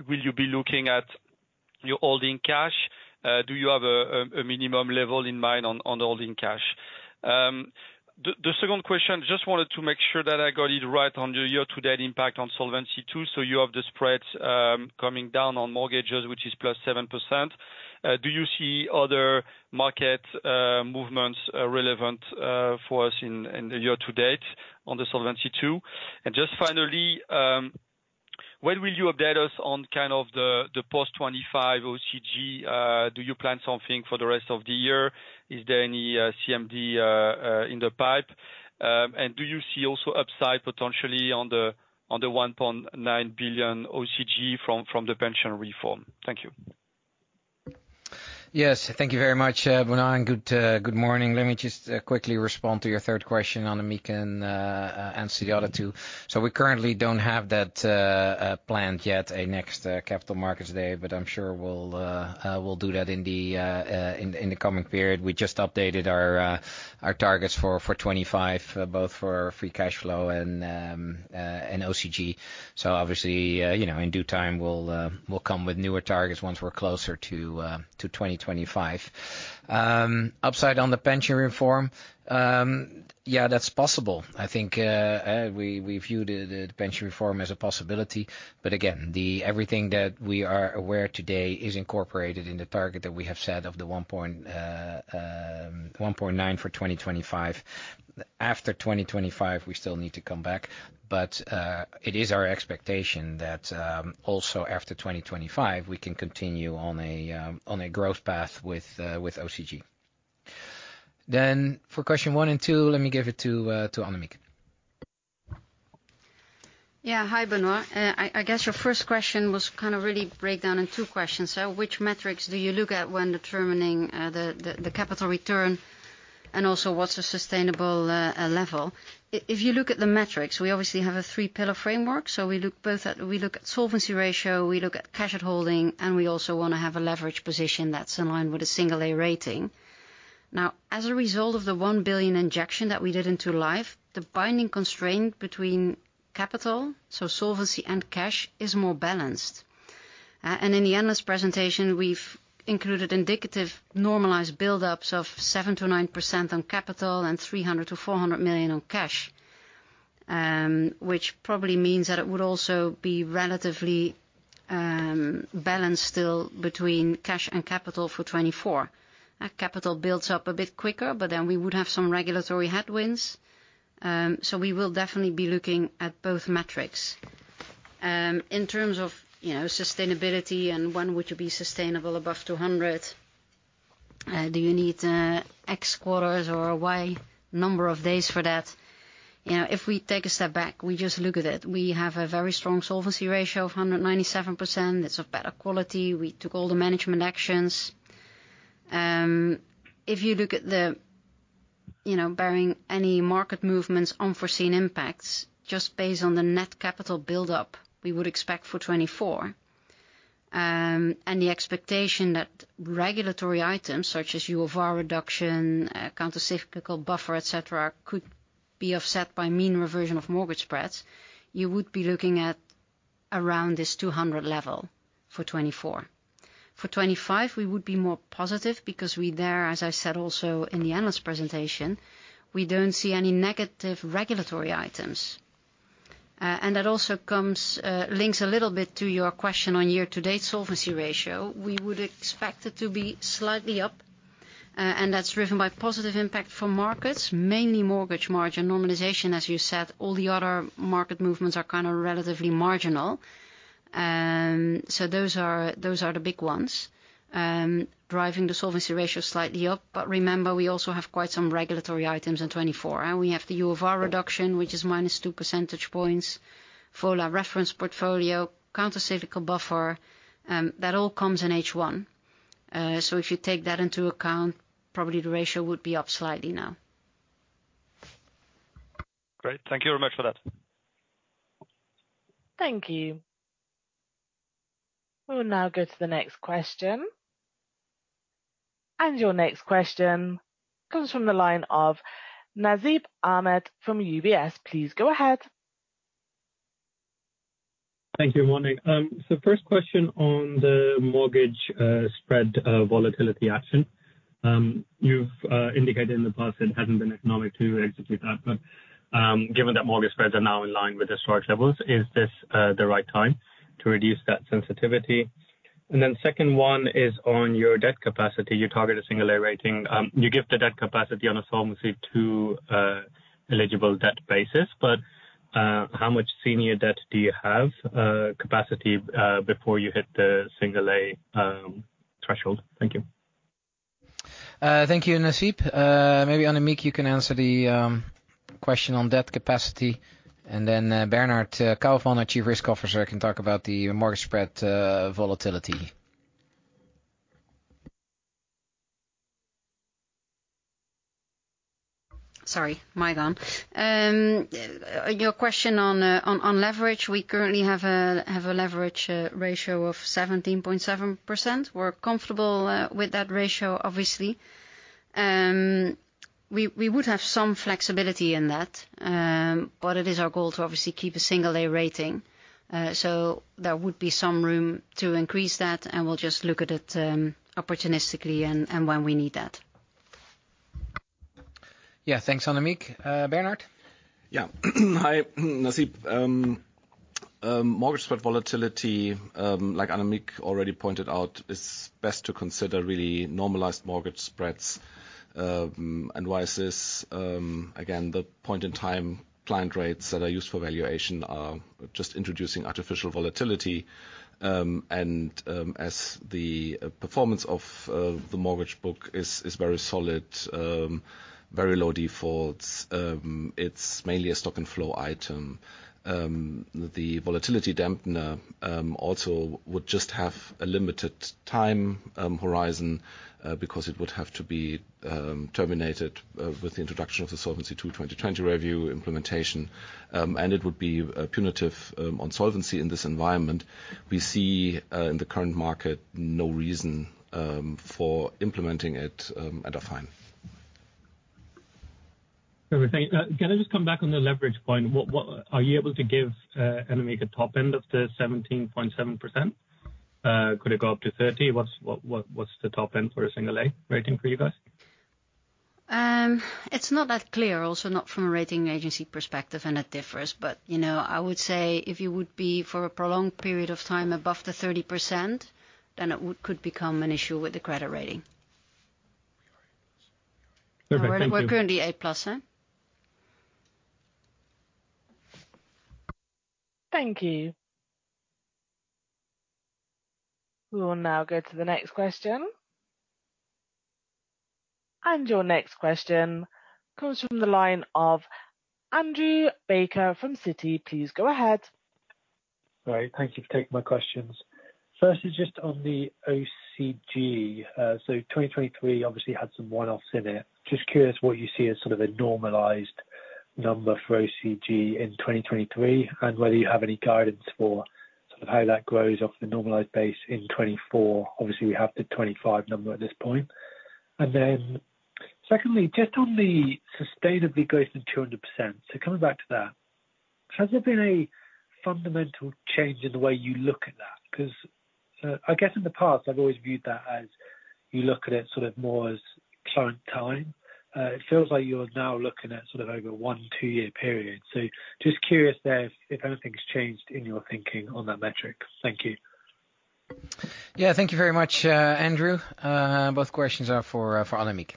will you be looking at your holding cash? Do you have a minimum level in mind on holding cash? The second question, just wanted to make sure that I got it right on the year-to-date impact on Solvency II. So, you have the spreads coming down on mortgages, which is +7%. Do you see other market movements relevant for us in the year-to-date on the Solvency II? And just finally, when will you update us on kind of the post-2025 OCG? Do you plan something for the rest of the year? Is there any CMD in the pipe? And do you see also upside potentially on the 1.9 billion OCG from the pension reform? Thank you. Yes. Thank you very much, Benoît. And good morning. Let me just quickly respond to your third question. Annemiek can answer the other two. So, we currently don't have that planned yet, a next capital markets day, but I'm sure we'll do that in the coming period. We just updated our targets for 2025, both for free cash flow and OCG. So obviously, you know, in due time, we'll come with newer targets once we're closer to 2025. Upside on the pension reform, yeah, that's possible. I think we view the pension reform as a possibility. But again, everything that we are aware of today is incorporated in the target that we have set of 1.9 million for 2025. After 2025, we still need to come back. But it is our expectation that also after 2025, we can continue on a growth path with OCG. Then for questions 1 and 2, let me give it to Annemiek. Yeah. Hi, Benoît. I guess your first question was kind of really broken down into two questions, sir. Which metrics do you look at when determining the capital return and also what's a sustainable level? If you look at the metrics, we obviously have a three-pillar framework. So, we look at solvency ratio, cash at holding, and we also want to have a leveraged position that's in line with a single-A rating. Now, as a result of the 1 billion injection that we did into life, the binding constraint between capital, so solvency and cash, is more balanced. In the analyst presentation, we've included indicative normalized buildups of 7%-9% on capital and 300 million-400 million on cash, which probably means that it would also be relatively balanced still between cash and capital for 2024. Capital builds up a bit quicker, but then we would have some regulatory headwinds. We will definitely be looking at both metrics. In terms of, you know, sustainability and when would you be sustainable above 200%, do you need X quarters or Y number of days for that? You know, if we take a step back, we just look at it. We have a very strong solvency ratio of 197%. It’s of better quality. We took all the management actions. If you look at the, you know, barring any market movements, unforeseen impacts, just based on the net capital buildup we would expect for 2024, and the expectation that regulatory items such as UFR reduction, countercyclical buffer, etc., could be offset by mean reversion of mortgage spreads, you would be looking at around this 200 level for 2024. For 2025, we would be more positive because we're there, as I said also in the analyst presentation, we don't see any negative regulatory items. And that also comes and links a little bit to your question on year-to-date solvency ratio. We would expect it to be slightly up, and that's driven by positive impact from markets, mainly mortgage margin normalization, as you said. All the other market movements are kind of relatively marginal. So those are the big ones, driving the solvency ratio slightly up. But remember, we also have quite some regulatory items in 2024, huh? We have the UFR reduction, which is -2 percentage points, FOLA reference portfolio, countercyclical buffer, that all comes in H1. So, if you take that into account, probably the ratio would be up slightly now. Great. Thank you very much for that. Thank you. We will now go to the next question. And your next question comes from the line of Nasib Ahmed from UBS. Please go ahead. Thank you. Good morning. So, first question on the mortgage, spread, volatility action. You've indicated in the past it hasn't been economic to execute that, but, given that mortgage spreads are now in line with the storage levels, is this the right time to reduce that sensitivity? And then second one is on your debt capacity. You target a single-A rating. You give the debt capacity on a Solvency II eligible debt basis, but how much senior debt do you have capacity before you hit the single-A threshold? Thank you. Thank you, Nasib. Maybe Annemiek, you can answer the question on debt capacity. And then Bernhard Kaufmann, our Chief Risk Officer, can talk about the mortgage spread volatility. Sorry. My gun. Your question on leverage, we currently have a leverage ratio of 17.7%. We're comfortable with that ratio, obviously. We would have some flexibility in that, but it is our goal to obviously keep a single-A rating. So, there would be some room to increase that, and we'll just look at it opportunistically and when we need that. Yeah. Thanks, Annemiek. Bernhard? Yeah. Hi, Nasib. Mortgage spread volatility, like Annemiek already pointed out, is best to consider really normalized mortgage spreads. And why is this, again, the point-in-time client rates that are used for valuation just introducing artificial volatility? And, as the performance of the mortgage book is very solid, very low defaults, it's mainly a stock-and-flow item. The volatility dampener also would just have a limited time horizon, because it would have to be terminated with the introduction of the Solvency II 2020 review implementation. And it would be punitive on solvency in this environment. We see in the current market no reason for implementing it at a fine. Perfect. Thank you. Can I just come back on the leverage point? What are you able to give, Annemiek, a top end of the 17.7%? Could it go up to 30%? What's the top end for a single-A rating for you guys? It's not that clear, also not from a rating agency perspective, and it differs. But, you know, I would say if you would be for a prolonged period of time above the 30%, then it would could become an issue with the credit rating. Perfect. Thank you. We're currently A-plus, huh? Thank you. We will now go to the next question. And your next question comes from the line of Andrew Baker from Citi. Please go ahead. All right. Thank you for taking my questions. First is just on the OCG. So 2023 obviously had some one-offs in it. Just curious what you see as sort of a normalized number for OCG in 2023 and whether you have any guidance for sort of how that grows off the normalized base in 2024. Obviously, we have the 2025 number at this point. And then secondly, just on the sustainable growth in 200%, so coming back to that, has there been a fundamental change in the way you look at that? Because, I guess in the past, I've always viewed that as you look at it sort of more as client time. It feels like you're now looking at sort of over a one- to two-year period. So just curious there if, if anything's changed in your thinking on that metric. Thank you. Yeah. Thank you very much, Andrew. Both questions are for, for Annemiek.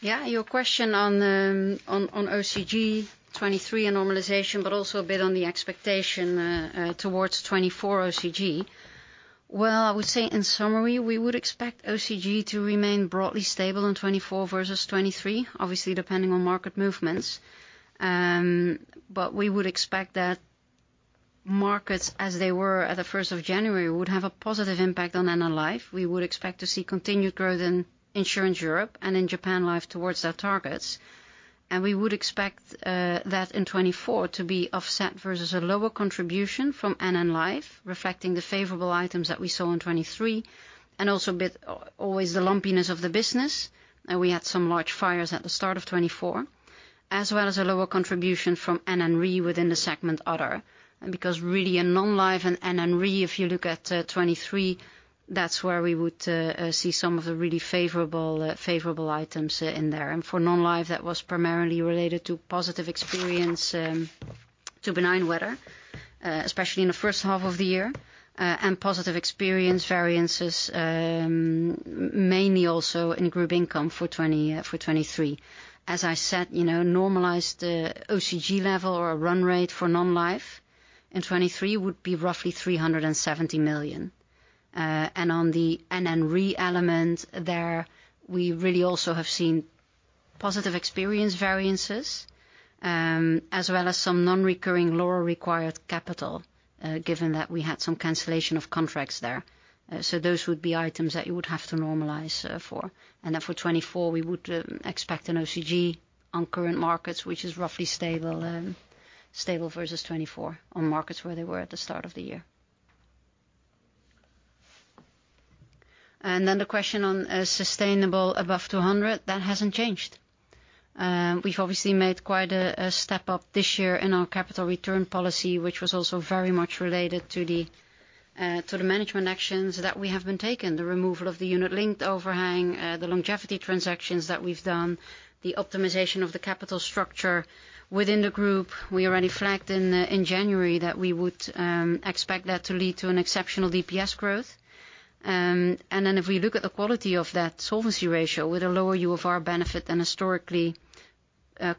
Yeah. Your question on, OCG 2023 and normalization, but also a bit on the expectation towards 2024 OCG. Well, I would say in summary, we would expect OCG to remain broadly stable in 2024 versus 2023, obviously depending on market movements. But we would expect that markets, as they were at the January 1st, would have a positive impact on NN Life. We would expect to see continued growth in Insurance Europe and in Japan Life towards their targets. And we would expect that in 2024 to be offset versus a lower contribution from NN Life, reflecting the favorable items that we saw in 2023 and also a bit always the lumpiness of the business. And we had some large fires at the start of 2024, as well as a lower contribution from NN Re within the segment Other because really in Non-life and NN Re, if you look at 2023, that's where we would see some of the really favorable items in there. And for non-life, that was primarily related to positive experience, to benign weather, especially in the first half of the year, and positive experience variances, mainly also in group income for 2020 for 2023. As I said, you know, normalized the OCG level or a run rate for non-life in 2023 would be roughly 370 million. And on the NN Re element there, we really also have seen positive experience variances, as well as some non-recurring lower-required capital, given that we had some cancellation of contracts there. So those would be items that you would have to normalize for. And then for 2024, we would expect an OCG on current markets, which is roughly stable, stable versus 2023 on markets where they were at the start of the year. And then the question on sustainable above 200 million, that hasn't changed. We've obviously made quite a step up this year in our capital return policy, which was also very much related to the management actions that we have been taken, the removal of the unit-linked overhang, the longevity transactions that we've done, the optimization of the capital structure within the group. We already flagged in January that we would expect that to lead to an exceptional DPS growth. Then if we look at the quality of that solvency ratio with a lower UFR benefit than historically,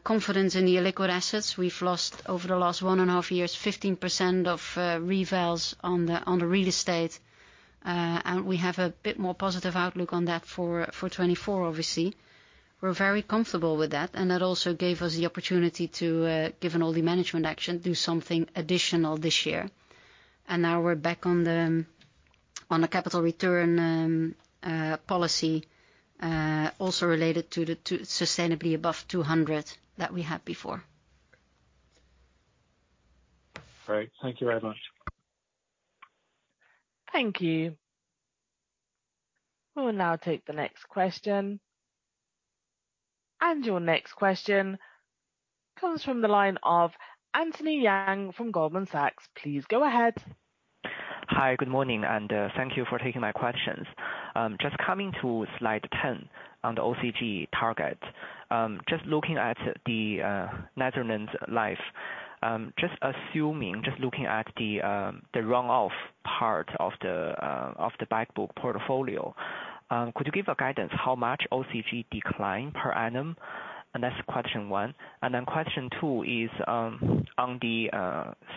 confidence in the illiquid assets, we've lost over the last one and a half years 15% of revalues on the real estate. And we have a bit more positive outlook on that for 2024, obviously. We're very comfortable with that. And that also gave us the opportunity to, given all the management action, do something additional this year. And now we're back on the capital return policy, also related to the sustainably above 200 that we had before. Great. Thank you very much. Thank you. We will now take the next question. Your next question comes from the line of Anthony Yang from Goldman Sachs. Please go ahead. Hi. Good morning. And thank you for taking my questions. Just coming to slide 10 on the OCG target, just looking at the Netherlands Life, just assuming, just looking at the run-off part of the back book portfolio, could you give guidance how much OCG decline per annum? And that's question one. And then question two is on the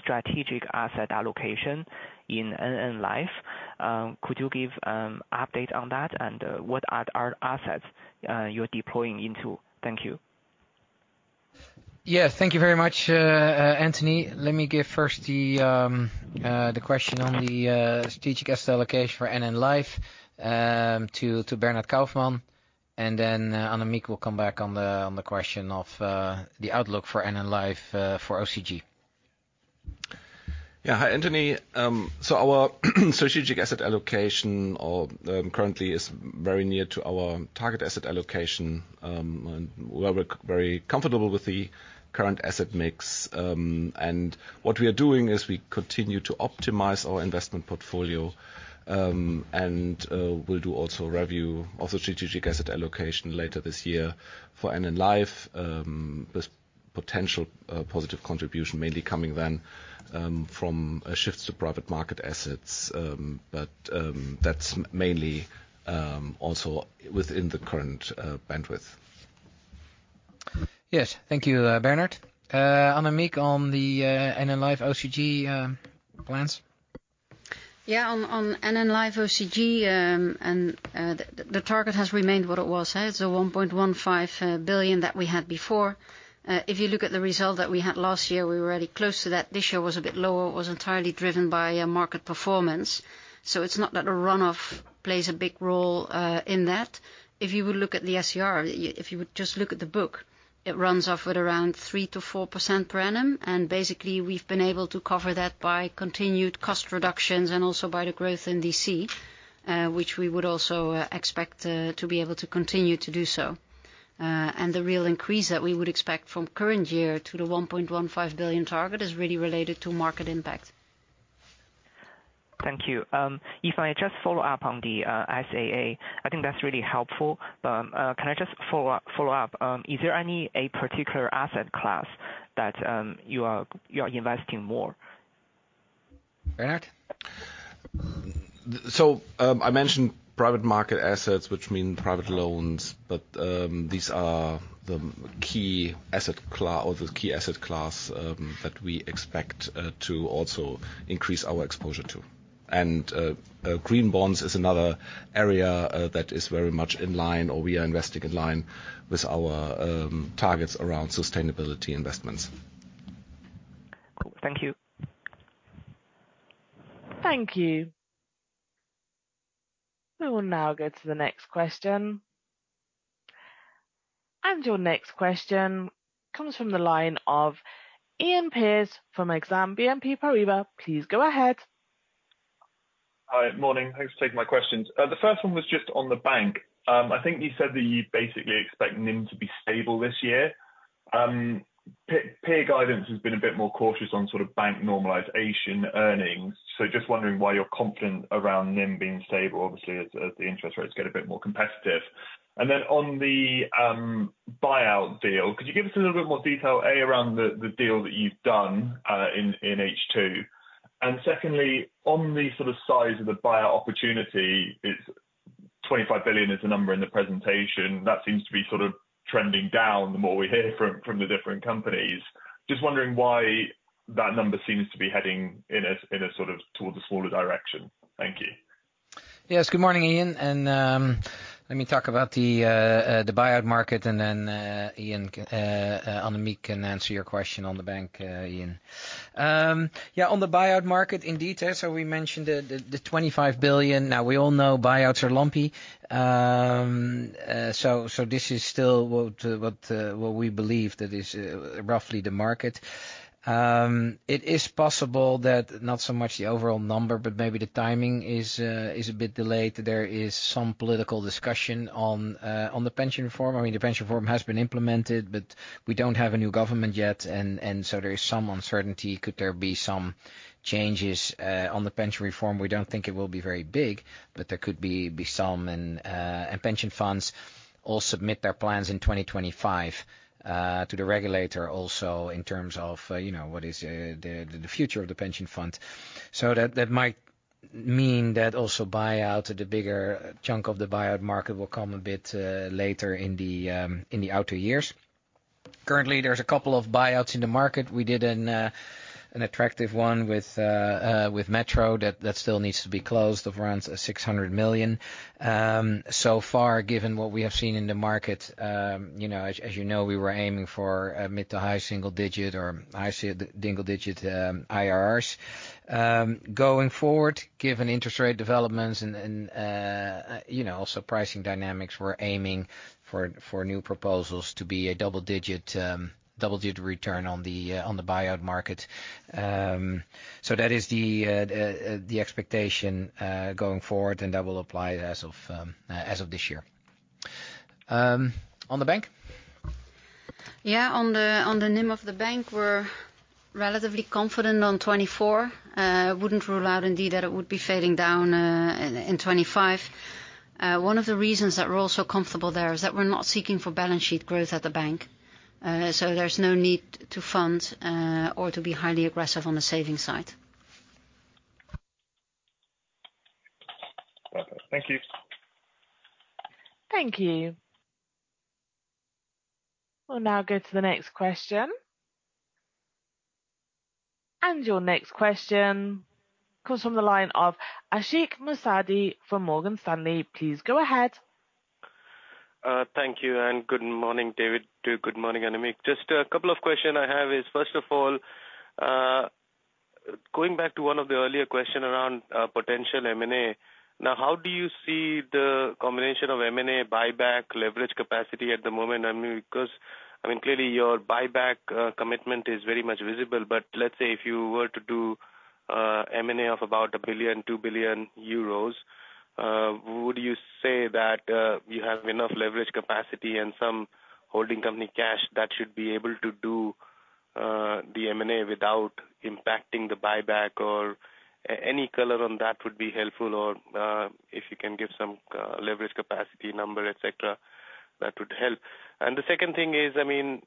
strategic asset allocation in NN Life. Could you give an update on that and, what are our assets you're deploying into? Thank you. Yeah. Thank you very much, Anthony. Let me give first the question on the strategic asset allocation for NN Life to Bernhard Kaufmann. And then, Annemiek will come back on the question of the outlook for NN Life for OCG. Yeah. Hi, Anthony. So our strategic asset allocation currently is very near to our target asset allocation, and we're very comfortable with the current asset mix. And what we are doing is we continue to optimize our investment portfolio, and we'll do also a review of the strategic asset allocation later this year for NN Life, with potential positive contribution mainly coming then from shifts to private market assets. But that's mainly also within the current bandwidth. Yes. Thank you, Bernhard. Annemiek on the NN Life OCG plans? Yeah. On NN Life OCG, the target has remained what it was, huh? It's the 1.15 billion that we had before. If you look at the result that we had last year, we were already close to that. This year was a bit lower. It was entirely driven by market performance. So it's not that a run-off plays a big role in that. If you would look at the SCR, if you would just look at the book, it runs off at around 3%-4% per annum. And basically, we've been able to cover that by continued cost reductions and also by the growth in DC, which we would also expect to be able to continue to do so. And the real increase that we would expect from current year to the 1.15 billion target is really related to market impact. Thank you. If I just follow up on the SAA, I think that's really helpful. But can I just follow up? Is there any particular asset class that you are investing more in? Bernhard? So I mentioned private market assets, which mean private loans, but these are the key asset class that we expect to also increase our exposure to. And green bonds is another area that is very much in line or we are investing in line with our targets around sustainability investments. Cool. Thank you. Thank you. We will now go to the next question. And your next question comes from the line of Iain Pearce from Exane BNP Paribas. Please go ahead. Hi. Good morning. Thanks for taking my questions. The first one was just on the bank. I think you said that you basically expect NIM to be stable this year. Peer guidance has been a bit more cautious on sort of bank normalization earnings. So just wondering why you're confident around NIM being stable, obviously, as, as the interest rates get a bit more competitive. And then on the, buyout deal, could you give us a little bit more detail, A, around the, the deal that you've done, in, in H2? And secondly, on the sort of size of the buyout opportunity, it's 25 billion is the number in the presentation. That seems to be sort of trending down the more we hear from, from the different companies. Just wondering why that number seems to be heading in a in a sort of towards a smaller direction. Thank you. Yes. Good morning, Iain. And, let me talk about the, the buyout market. Then, Iain, Annemiek can answer your question on the bank, Iain. Yeah, on the buyout market in detail, so we mentioned the 25 billion. Now, we all know buyouts are lumpy. So this is still what we believe that is, roughly the market. It is possible that not so much the overall number, but maybe the timing is a bit delayed. There is some political discussion on the pension reform. I mean, the pension reform has been implemented, but we don't have a new government yet. And so there is some uncertainty. Could there be some changes on the pension reform? We don't think it will be very big, but there could be some. Pension funds all submit their plans in 2025 to the regulator, also in terms of, you know, what is the future of the pension fund. So that might mean that also buyout, the bigger chunk of the buyout market will come a bit later in the outer years. Currently, there's a couple of buyouts in the market. We did an attractive one with Metro that still needs to be closed of around 600 million. So far, given what we have seen in the market, you know, as you know, we were aiming for mid- to high-single-digit or high-single-digit IRRs. Going forward, given interest rate developments and, you know, also pricing dynamics, we're aiming for new proposals to be a double-digit return on the buyout market. So that is the, the expectation, going forward. And that will apply as of, as of this year. On the bank? Yeah. On the NIM of the bank, we're relatively confident on 2024. Wouldn't rule out indeed that it would be fading down, in 2025. One of the reasons that we're also comfortable there is that we're not seeking for balance sheet growth at the bank. So there's no need to fund, or to be highly aggressive on the savings side. Perfect. Thank you. Thank you. We'll now go to the next question. Your next question comes from the line of Ashik Musaddi from Morgan Stanley. Please go ahead. Thank you. And good morning, David. Good morning, Annemiek. Just a couple of questions I have is, first of all, going back to one of the earlier questions around, potential M&A. Now, how do you see the combination of M&A, buyback, leverage capacity at the moment? I mean, because, I mean, clearly, your buyback commitment is very much visible. But let's say if you were to do M&A of about 1 billion-2 billion euros, would you say that you have enough leverage capacity and some holding company cash that should be able to do the M&A without impacting the buyback or any color on that would be helpful or, if you can give some leverage capacity number, etc., that would help. And the second thing is, I mean,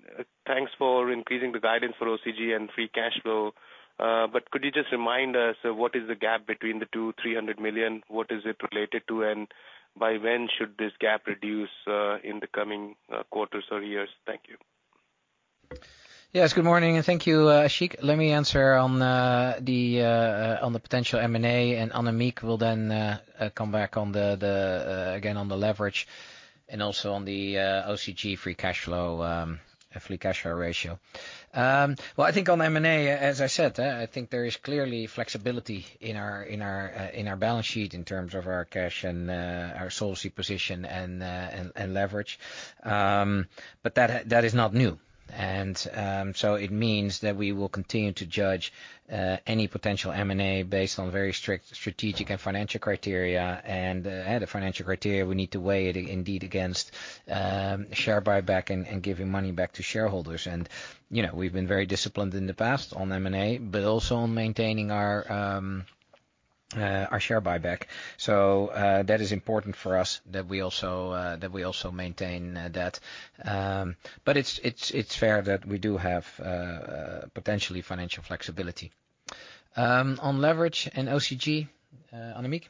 thanks for increasing the guidance for OCG and free cash flow. But could you just remind us what is the gap between the two, 300 million? What is it related to? And by when should this gap reduce, in the coming quarters or years? Thank you. Yes. Good morning. And thank you, Ashik. Let me answer on the potential M&A. And Annemiek will then come back on the leverage and also on the OCG free cash flow ratio. Well, I think on M&A, as I said, there is clearly flexibility in our balance sheet in terms of our cash and our solvency position and leverage. But that is not new. So it means that we will continue to judge any potential M&A based on very strict strategic and financial criteria. Yeah, the financial criteria, we need to weigh it indeed against share buyback and giving money back to shareholders. You know, we've been very disciplined in the past on M&A, but also on maintaining our share buyback. So, that is important for us that we also maintain that. But it's fair that we do have potentially financial flexibility on leverage and OCG, Annemiek?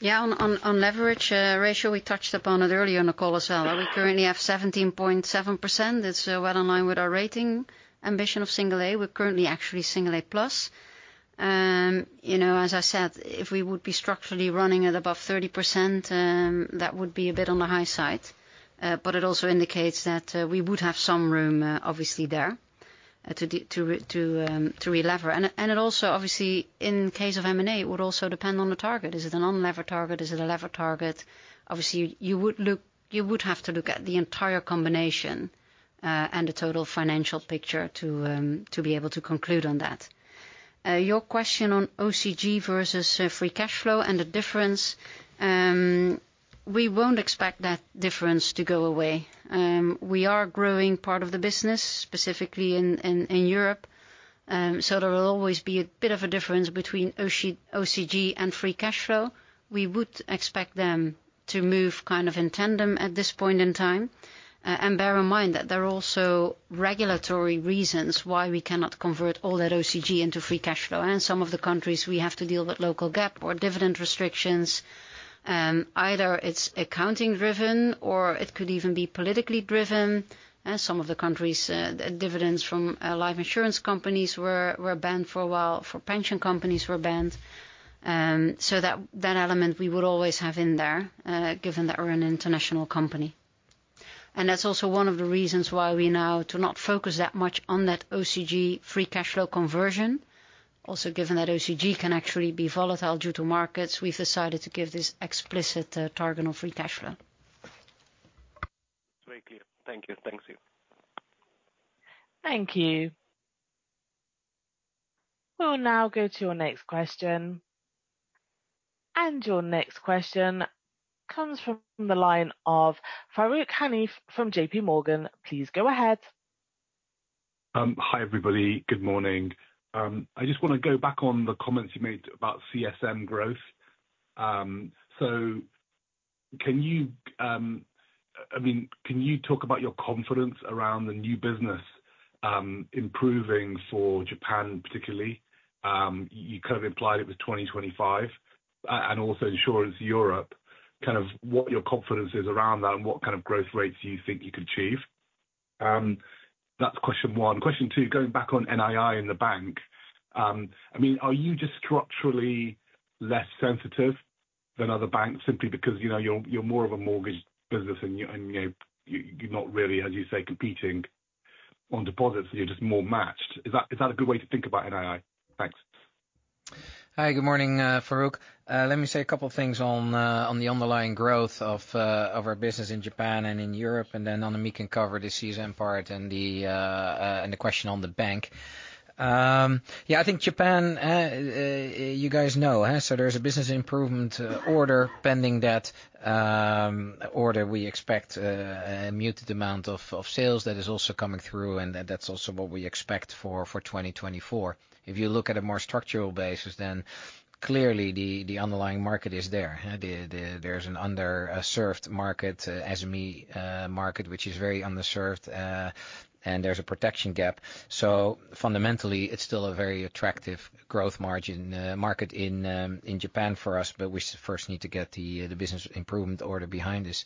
Yeah. On leverage ratio, we touched-up on it earlier on the call as well. We currently have 17.7%. It's well in line with our rating ambition of single A. We're currently actually single A-plus. You know, as I said, if we would be structurally running at above 30%, that would be a bit on the high side. But it also indicates that we would have some room, obviously there, to re-lever. And it also, obviously, in case of M&A, it would also depend on the target. Is it an unlevered target? Is it a levered target? Obviously, you would have to look at the entire combination, and the total financial picture to be able to conclude on that. Your question on OCG versus free cash flow and the difference, we won't expect that difference to go away. We are growing part of the business, specifically in Europe. So there will always be a bit of a difference between OCG and free cash flow. We would expect them to move kind of in tandem at this point in time. And bear in mind that there are also regulatory reasons why we cannot convert all that OCG into free cash flow. And some of the countries, we have to deal with local GAAP or dividend restrictions. Either it's accounting-driven or it could even be politically driven. Some of the countries, dividends from life insurance companies were banned for a while. For pension companies, were banned. So that, that element, we would always have in there, given that we're an international company. And that's also one of the reasons why we now do not focus that much on that OCG free cash flow conversion. Also, given that OCG can actually be volatile due to markets, we've decided to give this explicit target on free cash flow. It's very clear. Thank you. Thank you. Thank you. We'll now go to your next question. And your next question comes from the line of Farooq Hanif from JP Morgan. Please go ahead. Hi, everybody. Good morning. I just want to go back on the comments you made about CSM growth. So can you, I mean, can you talk about your confidence around the new business, improving for Japan, particularly? You kind of implied it was 2025, and also Insurance Europe, kind of what your confidence is around that and what kind of growth rates you think you could achieve. That's question one. Question two, going back on NII in the bank, I mean, are you just structurally less sensitive than other banks simply because, you know, you're, you're more of a mortgage business and you and, you know, you're not really, as you say, competing on deposits? You're just more matched. Is that is that a good way to think about NII? Thanks. Hi. Good morning, Farooq. Let me say a couple of things on, on the underlying growth of, of our business in Japan and in Europe. And then Annemiek can cover the CSM part and the, and the question on the bank. Yeah, I think Japan, you guys know, huh? So there's a business improvement order pending. That order. We expect a muted amount of sales that is also coming through. And that's also what we expect for 2024. If you look at a more structural basis, then clearly the underlying market is there, huh? There's an underserved SME market, which is very underserved, and there's a protection gap. So fundamentally, it's still a very attractive growth market in Japan for us. But we first need to get the business improvement order behind us.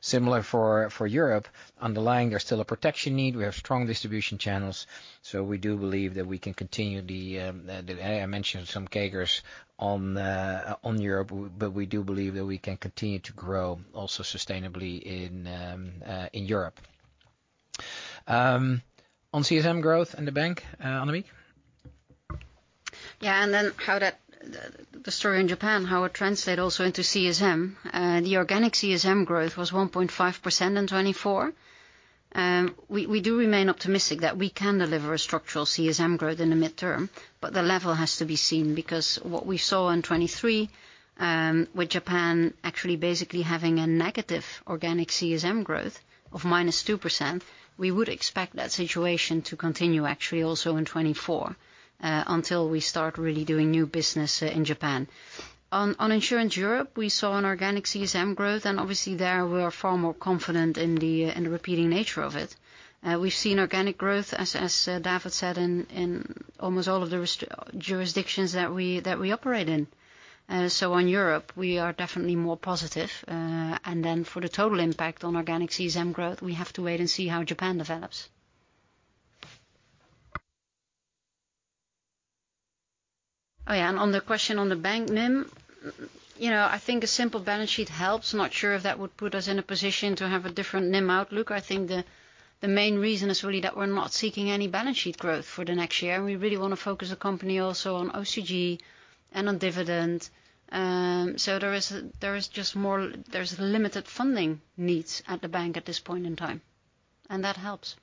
Similar for Europe, underlying there's still a protection need. We have strong distribution channels. So we do believe that we can continue. I mentioned some figures on Europe, but we do believe that we can continue to grow also sustainably in Europe. On CSM growth in the bank, Annemiek? Yeah. Then how that the story in Japan, how it translates also into CSM. The organic CSM growth was 1.5% in 2024. We do remain optimistic that we can deliver a structural CSM growth in the midterm, but the level has to be seen because what we saw in 2023, with Japan actually basically having a negative organic CSM growth of -2%, we would expect that situation to continue actually also in 2024, until we start really doing new business in Japan. On Insurance Europe, we saw an organic CSM growth. And obviously, there, we are far more confident in the repeating nature of it. We've seen organic growth as David said in almost all of the jurisdictions that we operate in. So on Europe, we are definitely more positive. And then for the total impact on organic CSM growth, we have to wait and see how Japan develops. Oh, yeah. And on the question on the bank NIM, you know, I think a simple balance sheet helps. Not sure if that would put us in a position to have a different NIM outlook. I think the main reason is really that we're not seeking any balance sheet growth for the next year. And we really want to focus the company also on OCG and on dividend. So there is just more; there's limited funding needs at the bank at this point in time. And that helps.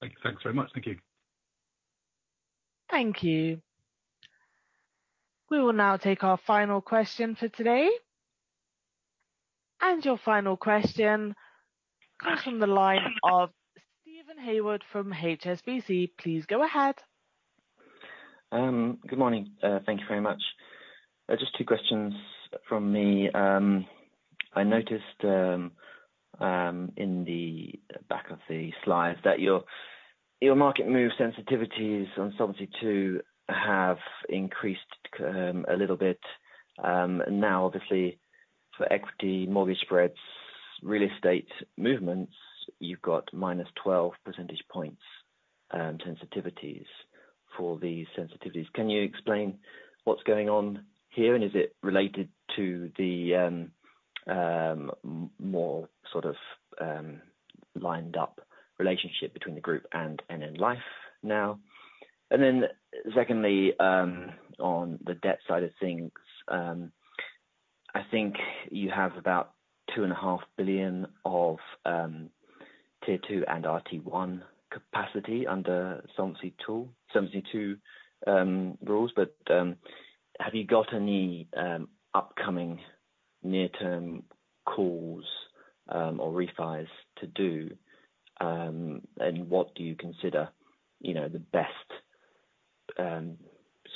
Thanks. Thanks very much. Thank you. Thank you. We will now take our final question for today. And your final question comes from the line of Steven Haywood from HSBC. Please go ahead. Good morning. Thank you very much. Just two questions from me. I noticed, in the back of the slides that your, your market move sensitivities on Solvency II have increased, a little bit. Now, obviously, for equity, mortgage spreads, real estate movements, you've got -12 percentage points sensitivities for these sensitivities. Can you explain what's going on here? And is it related to the, more sort of, lined up relationship between the group and NN Life now? And then secondly, on the debt side of things, I think you have about 2.5 billion of, Tier 2 and RT1 capacity under Solvency II rules. But, have you got any, upcoming near-term calls, or refis to do? And what do you consider, you know, the best,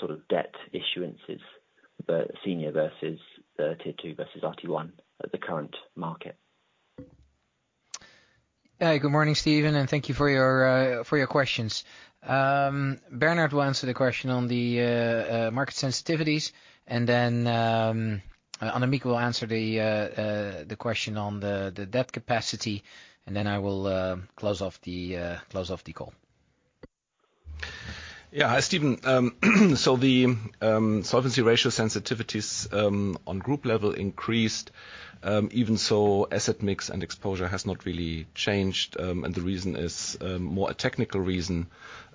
sort of debt issuances, the senior versus the Tier 2 versus RT1 at the current market? Yeah. Good morning, Steven. And thank you for your, for your questions. Bernhard will answer the question on the market sensitivities. And then Annemiek will answer the question on the debt capacity. And then I will close off the call. Yeah. Hi, Steven. So the solvency ratio sensitivities on group level increased. Even so, asset mix and exposure has not really changed. And the reason is more a technical reason.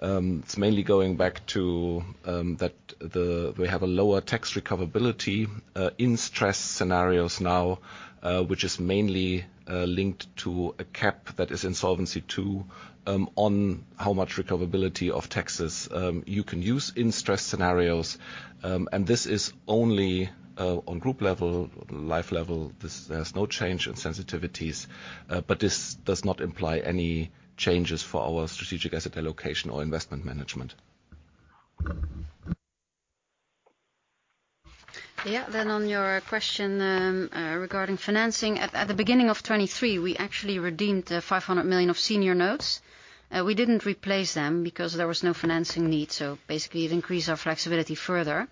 It's mainly going back to that we have a lower tax recoverability in stress scenarios now, which is mainly linked to a cap that is in Solvency II on how much recoverability of taxes you can use in stress scenarios. And this is only on group level, Life level. This. There's no change in sensitivities. But this does not imply any changes for our strategic asset allocation or investment management. Yeah. Then on your question, regarding financing, at the beginning of 2023, we actually redeemed 500 million of senior notes. We didn't replace them because there was no financing need. So basically, it increased our flexibility further.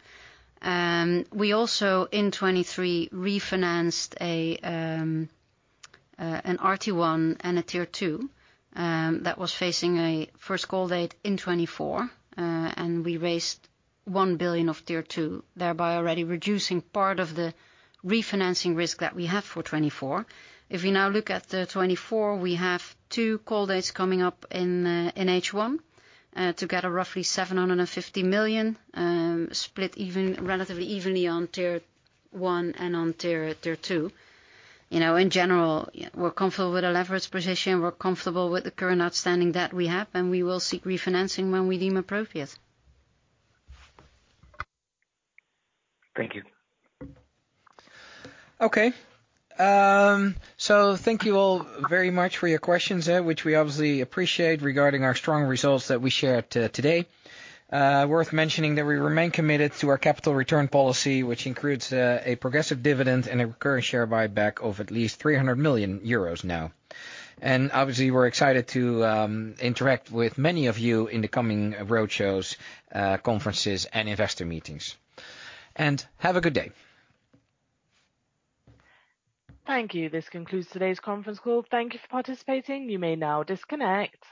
We also, in 2023, refinanced an RT1 and a Tier 2, that was facing a first call date in 2024. And we raised 1 billion of Tier 2, thereby already reducing part of the refinancing risk that we have for 2024. If we now look at the 2024, we have two call dates coming up in H1, to get roughly 750 million, split relatively evenly on Tier 1 and on Tier 2. You know, in general, we're comfortable with the leverage position. We're comfortable with the current outstanding debt we have. And we will seek refinancing when we deem appropriate. Thank you. Okay. Thank you all very much for your questions, which we obviously appreciate regarding our strong results that we shared today. Worth mentioning that we remain committed to our capital return policy, which includes a progressive dividend and a recurring share buyback of at least 300 million euros now. Obviously, we're excited to interact with many of you in the coming roadshows, conferences, and investor meetings. Have a good day. Thank you. This concludes today's conference call. Thank you for participating. You may now disconnect.